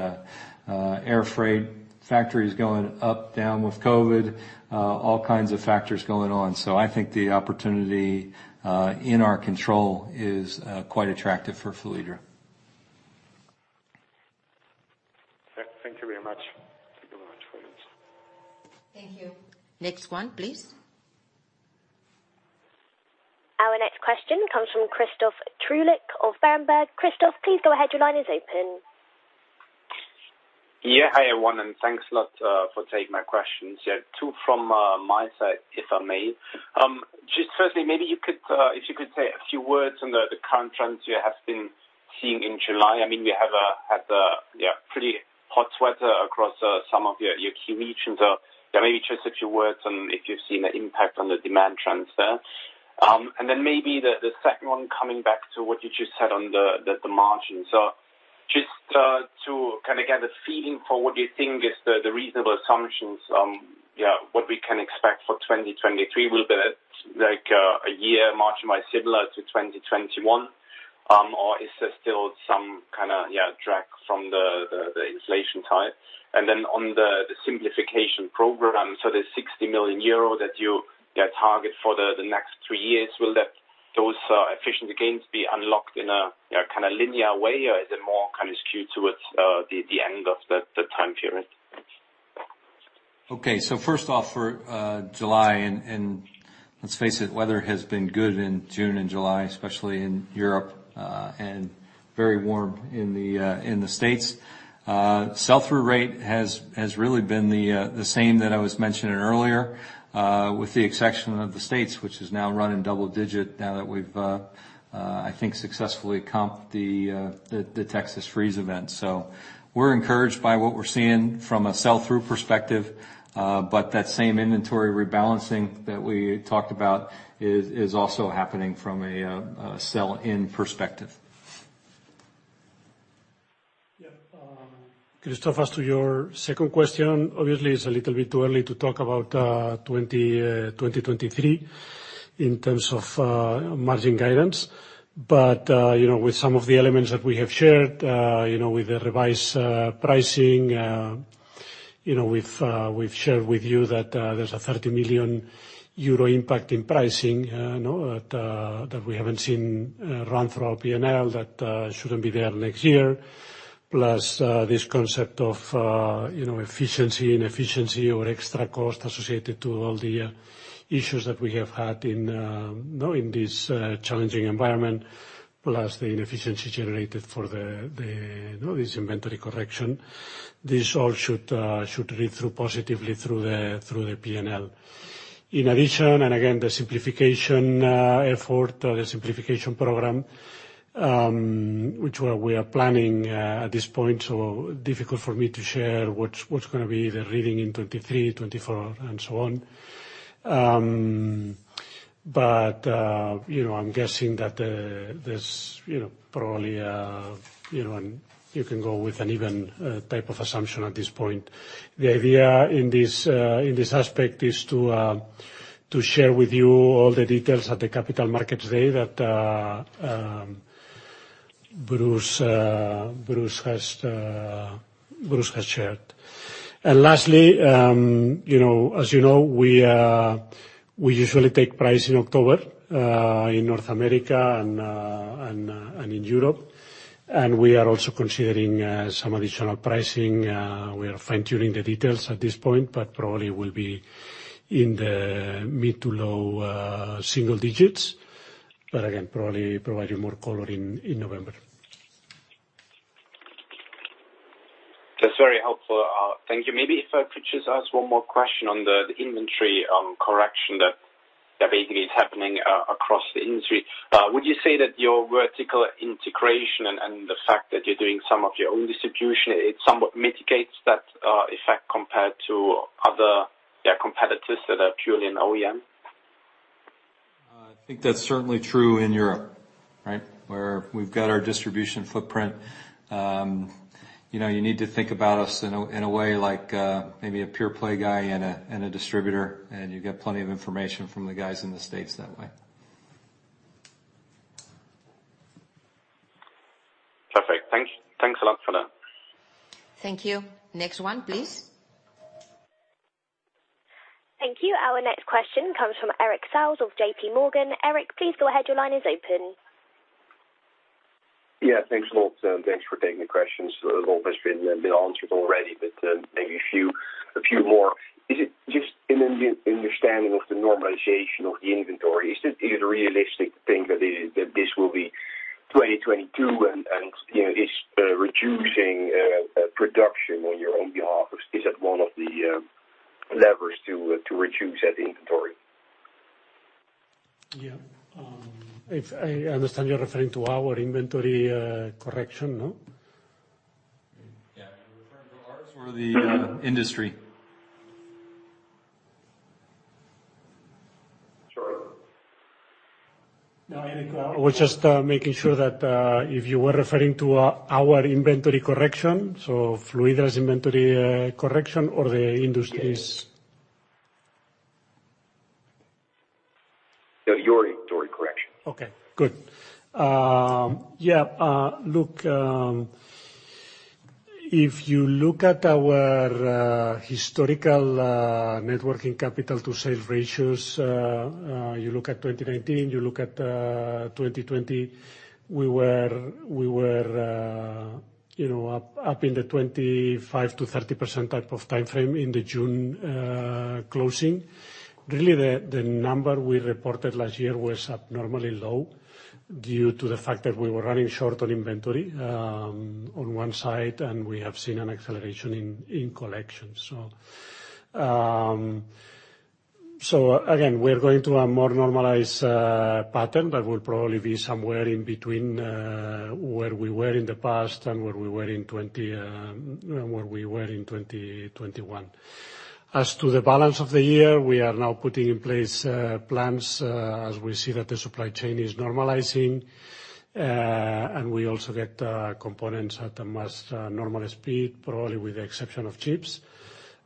air freight, factories going up, down with COVID, all kinds of factors going on. I think the opportunity in our control is quite attractive for Fluidra. Yeah. Thank you very much. Thank you very much for your answer. Thank you. Next one, please. Our next question comes from Christoph Greulich of Berenberg. Christoph, please go ahead. Your line is open. Yeah. Hi, everyone, and thanks a lot for taking my questions. Yeah, two from my side, if I may. Just firstly, maybe you could say a few words on the current trends you have been seeing in July. I mean, we have had pretty hot weather across some of your key regions. Maybe just a few words on if you've seen an impact on the demand trends there. Then maybe the second one coming back to what you just said on the margins. Just to kinda get a feeling for what you think is the reasonable assumptions on what we can expect for 2023. Will that like a year margin be similar to 2021? Is there still some kinda drag from the inflation type? Then on the simplification program, so the 60 million euro that you target for the next three years, will those efficiency gains be unlocked in a kinda linear way, or is it more kinda skewed towards the end of the time period? Okay. First off, for July and let's face it, weather has been good in June and July, especially in Europe, and very warm in the States. Sell-through rate has really been the same that I was mentioning earlier, with the exception of the States, which is now running double digit now that we've, I think successfully comped the Texas freeze event. We're encouraged by what we're seeing from a sell-through perspective. That same inventory rebalancing that we talked about is also happening from a sell-in perspective. Yeah. Christoph, as to your second question, obviously it's a little bit too early to talk about 2023 in terms of margin guidance. You know, with some of the elements that we have shared, you know, with the revised pricing, you know, we've shared with you that there's a 30 million euro impact in pricing, you know, that that we haven't seen run through our P&L, that shouldn't be there next year. Plus, this concept of you know, efficiency, inefficiency or extra cost associated to all the issues that we have had in you know, in this challenging environment, plus the inefficiency generated for the the you know, this inventory correction. This all should read through positively through the P&L. In addition, the simplification effort or the simplification program, which we are planning, at this point, so difficult for me to share what's gonna be the reading in 2023, 2024 and so on. You know, I'm guessing that there's you know, probably you know, and you can go with an even type of assumption at this point. The idea in this aspect is to share with you all the details at the Capital Markets Day that Bruce has shared. Lastly, you know, as you know, we usually take price in October in North America and in Europe. We are also considering some additional pricing. We are fine-tuning the details at this point, but probably will be in the mid-to-low single digits. Again, probably provide you more color in November. That's very helpful. Thank you. Maybe if I could just ask one more question on the inventory correction that basically is happening across the industry. Would you say that your vertical integration and the fact that you're doing some of your own distribution, it somewhat mitigates that effect compared to other competitors that are purely an OEM? I think that's certainly true in Europe, right? Where we've got our distribution footprint. You know, you need to think about us in a way like maybe a pure play guy and a distributor, and you get plenty of information from the guys in the States that way. Perfect. Thanks. Thanks a lot for that. Thank you. Next one, please. Thank you. Our next question comes from Erik Salz of JPMorgan. Erik, please go ahead. Your line is open. Yeah, thanks a lot. Thanks for taking the questions. A lot has been answered already, but maybe a few more. Is it just in an understanding of the normalization of the inventory, is it a realistic thing that this will be 2022 and, you know, is reducing production on your own behalf one of the levers to reduce that inventory? Yeah. If I understand, you're referring to our inventory correction, no? Yeah. Are you referring to ours or the industry? Sorry. No, Erik, I was just making sure that if you were referring to our inventory correction, so Fluidra's inventory correction or the industry's- Yeah. No, your inventory correction. Okay, good. Yeah. Look, if you look at our historical net working capital to sales ratios, you look at 2019, you look at 2020, we were, you know, up in the 25%-30% type of timeframe in the June closing. Really the number we reported last year was abnormally low due to the fact that we were running short on inventory on one side, and we have seen an acceleration in collections. Again, we're going to a more normalized pattern that will probably be somewhere in between where we were in the past and where we were in 2021. As to the balance of the year, we are now putting in place plans as we see that the supply chain is normalizing. We also get components at a much more normal speed, probably with the exception of chips.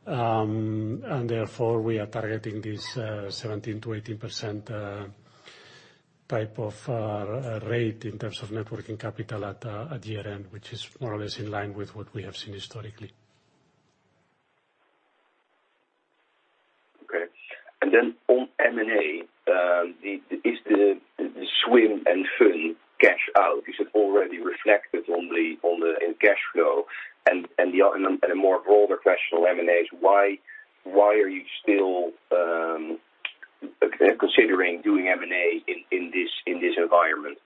Therefore we are targeting this 17%-18% type of rate in terms of net working capital at year-end, which is more or less in line with what we have seen historically. Okay. On M&A, is the Swim & Fun cash out already reflected on the cash flow? The more broader question on M&A is why are you still considering doing M&A in this environment?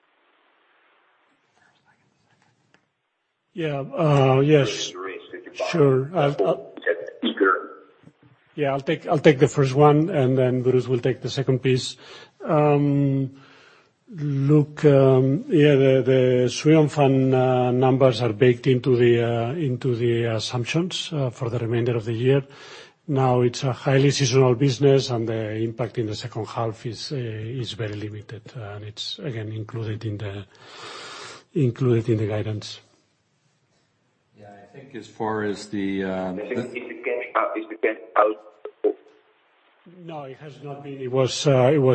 Yeah. Yes. Sure. Yeah, I'll take the first one, and then Bruce will take the second piece. Look, yeah, the Swim & Fun numbers are baked into the assumptions for the remainder of the year. Now it's a highly seasonal business, and the impact in the second half is very limited, and it's again included in the guidance. Yeah. I think as far as the. Is the cash out? No, it has not been. It was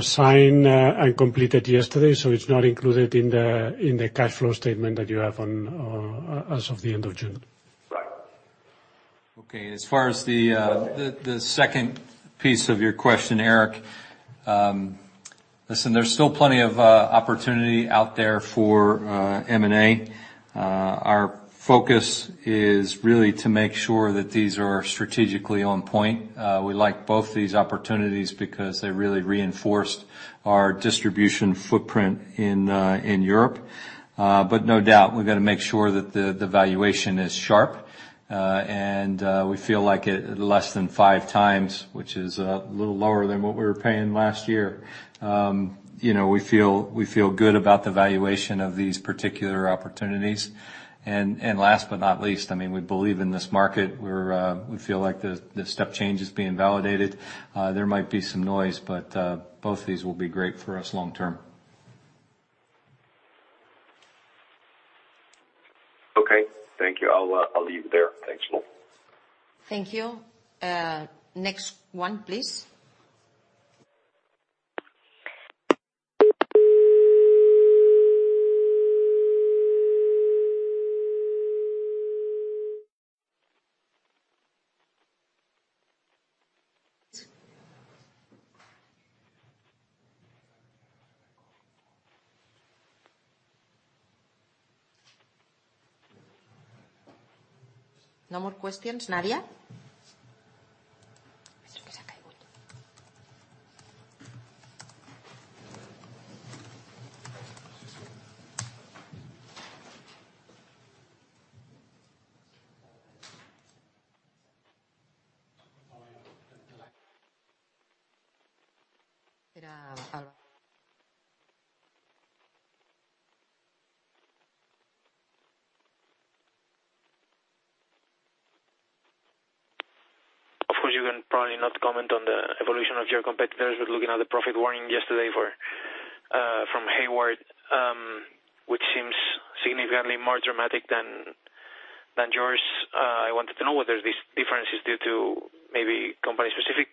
signed and completed yesterday, so it's not included in the cash flow statement that you have on, as of the end of June. Right. Okay. As far as the second piece of your question, Erik, listen, there's still plenty of opportunity out there for M&A. Our focus is really to make sure that these are strategically on point. We like both these opportunities because they really reinforced our distribution footprint in Europe. But no doubt, we've got to make sure that the valuation is sharp. We feel like at less than 5x, which is a little lower than what we were paying last year, you know, we feel good about the valuation of these particular opportunities. Last but not least, I mean, we believe in this market. We feel like the step change is being validated. There might be some noise, but both these will be great for us long term. Okay. Thank you. I'll leave it there. Thanks a lot. Thank you. Next one, please. No more questions, Nadia? Of course, you can probably not comment on the evolution of your competitors, but looking at the profit warning yesterday from Hayward, which seems significantly more dramatic than yours. I wanted to know whether this difference is due to maybe company-specific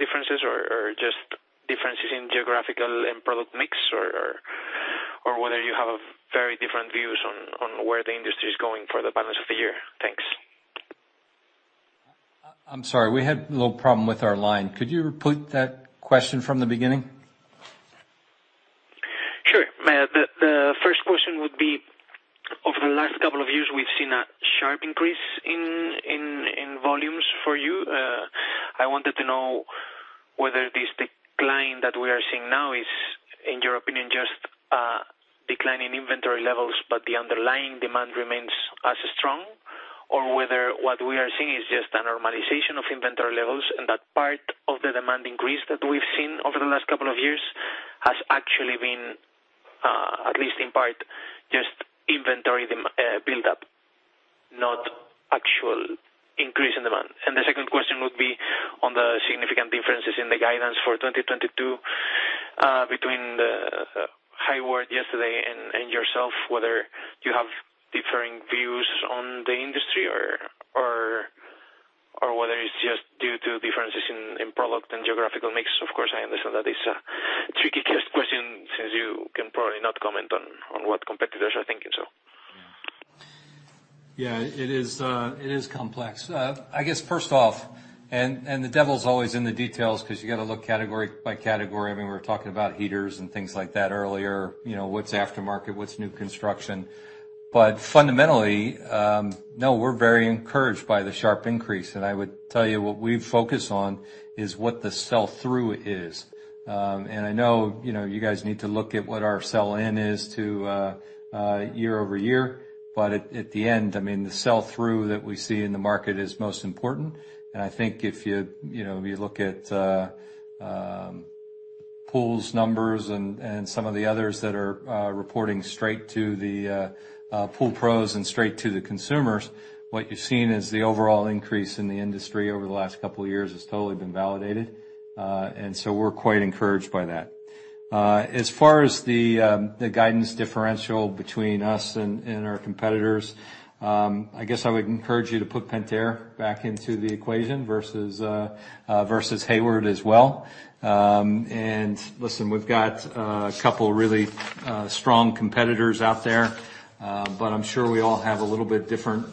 differences or just differences in geographical and product mix or whether you have very different views on where the industry is going for the balance of the year. Thanks. I'm sorry. We had a little problem with our line. Could you repeat that question from the beginning? Sure. The first question would be, over the last couple of years, we've seen a sharp increase in volumes for you. I wanted to know whether this decline that we are seeing now is, in your opinion, just a decline in inventory levels, but the underlying demand remains as strong, or whether what we are seeing is just a normalization of inventory levels and that part of the demand increase that we've seen over the last couple of years has actually been, at least in part, just inventory build-up, not actual increase in demand. The second question would be on the significant differences in the guidance for 2022, between Hayward yesterday and yourself, whether you have differing views on the industry or whether it's just due to differences in product and geographical mix. Of course, I understand that it's a tricky question since you can probably not comment on what competitors are thinking. Yeah. It is complex. I guess first off, and the devil is always in the details 'cause you gotta look category by category. I mean, we're talking about heaters and things like that earlier, you know, what's aftermarket, what's new construction. Fundamentally, no, we're very encouraged by the sharp increase. I would tell you what we focus on is what the sell-through is. I know, you know, you guys need to look at what our sell-in is to year over year, but at the end, I mean, the sell-through that we see in the market is most important. I think if you know, you look at pool's numbers and some of the others that are reporting straight to the pool pros and straight to the consumers, what you're seeing is the overall increase in the industry over the last couple of years has totally been validated. We're quite encouraged by that. As far as the guidance differential between us and our competitors, I guess I would encourage you to put Pentair back into the equation versus Hayward as well. Listen, we've got a couple really strong competitors out there, but I'm sure we all have a little bit different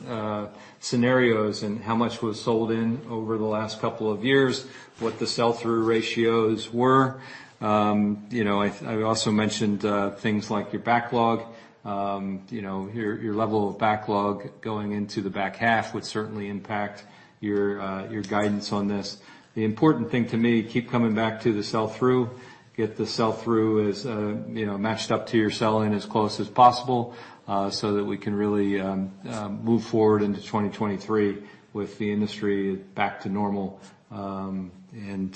scenarios in how much was sold in over the last couple of years, what the sell-through ratios were. You know, I also mentioned things like your backlog. You know, your level of backlog going into the back half would certainly impact your guidance on this. The important thing to me, keep coming back to the sell-through. Get the sell-through as you know, matched up to your sell-in as close as possible, so that we can really move forward into 2023 with the industry back to normal, and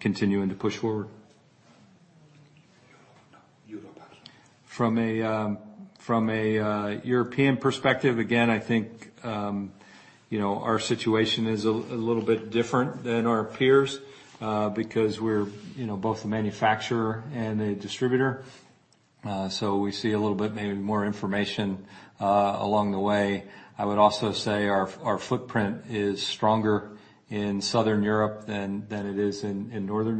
continuing to push forward. Europe now. From a European perspective, again, I think, you know, our situation is a little bit different than our peers, because we're, you know, both a manufacturer and a distributor. So we see a little bit maybe more information along the way. I would also say our footprint is stronger in Southern Europe than it is in Northern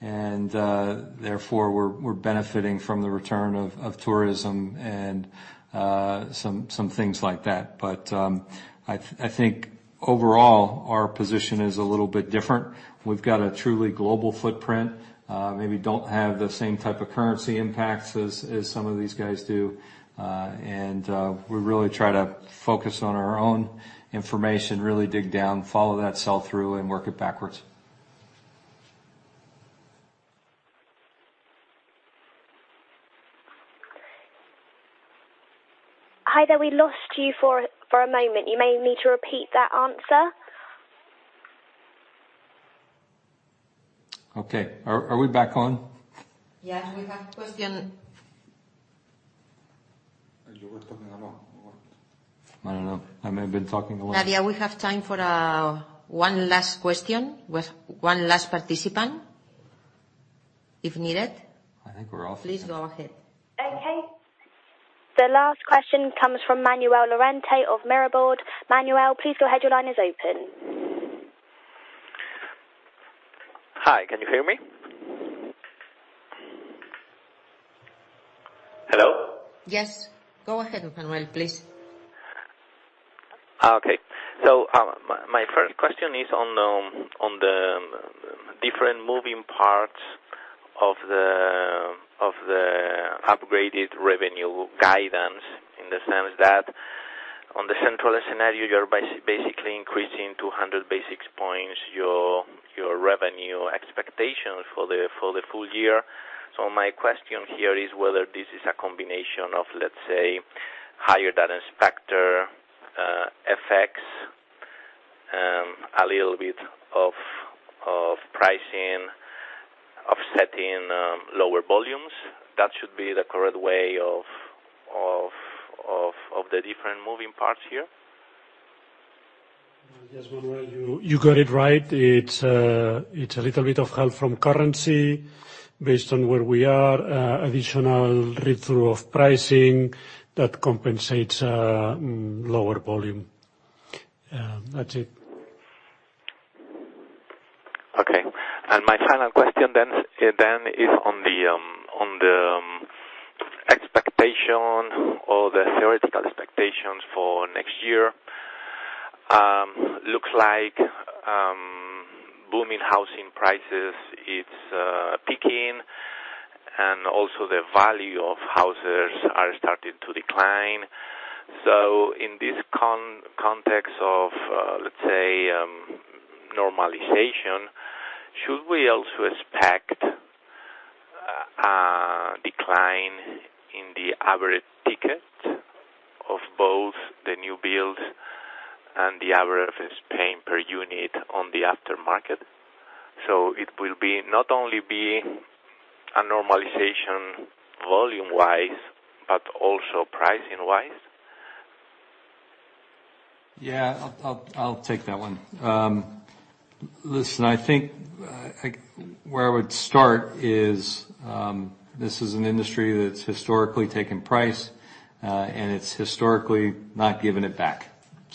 Europe. Therefore, we're benefiting from the return of tourism and some things like that. I think overall, our position is a little bit different. We've got a truly global footprint, maybe don't have the same type of currency impacts as some of these guys do, and we really try to focus on our own information, really dig down, follow that sell-through, and work it backwards. Hi there. We lost you for a moment. You may need to repeat that answer. Okay. Are we back on? Yes, we have question. You were talking a lot. I don't know. I may have been talking a lot. Nadia, we have time for one last question with one last participant, if needed. I think we're all finished. Please go ahead. Okay. The last question comes from Manuel Lorente of Mirabaud. Manuel, please go ahead. Your line is open. Hi, can you hear me? Hello? Yes. Go ahead, Manuel, please. Okay. My first question is on the different moving parts of the upgraded revenue guidance in the sense that on the central scenario, you're basically increasing 200 basis points your revenue expectation for the full year. My question here is whether this is a combination of, let's say, higher than expected FX effects, a little bit of pricing offsetting lower volumes. That should be the correct way of the different moving parts here? Yes, Manuel, you got it right. It's a little bit of help from currency based on where we are, additional read-through of pricing that compensates lower volume. That's it. Okay. My final question then is on the expectation or the theoretical expectations for next year. Looks like booming housing prices, it's peaking, and also the value of houses are starting to decline. In this context of, let's say, normalization, should we also expect a decline in the average ticket of both the new build and the average that's paying per unit on the aftermarket? It will be not only a normalization volume-wise but also pricing-wise. I'll take that one. Listen, I think like where I would start is this is an industry that's historically taken price and it's historically not given it back.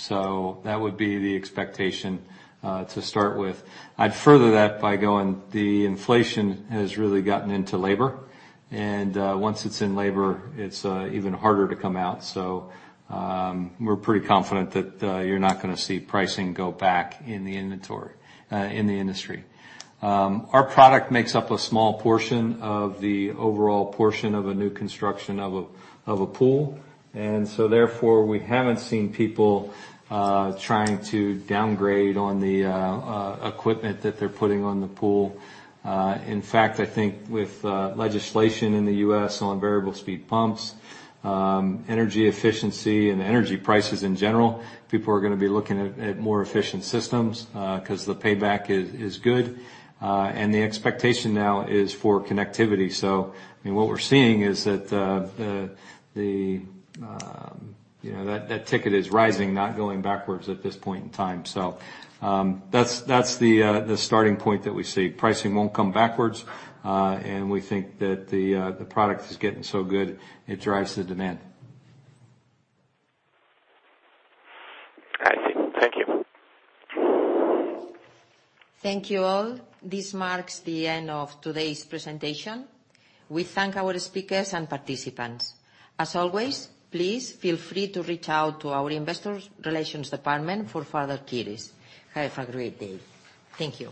That would be the expectation to start with. I'd further that by going the inflation has really gotten into labor. Once it's in labor, it's even harder to come out. We're pretty confident that you're not gonna see pricing go back in the inventory in the industry. Our product makes up a small portion of the overall portion of a new construction of a pool. Therefore, we haven't seen people trying to downgrade on the equipment that they're putting on the pool. In fact, I think with legislation in the U.S. on variable speed pumps, energy efficiency and energy prices in general, people are gonna be looking at more efficient systems, 'cause the payback is good. The expectation now is for connectivity. I mean, what we're seeing is that, you know, that ticket is rising, not going backwards at this point in time. That's the starting point that we see. Pricing won't come backwards, and we think that the product is getting so good it drives the demand. I see. Thank you. Thank you all. This marks the end of today's presentation. We thank our speakers and participants. As always, please feel free to reach out to our Investor Relations department for further queries. Have a great day. Thank you.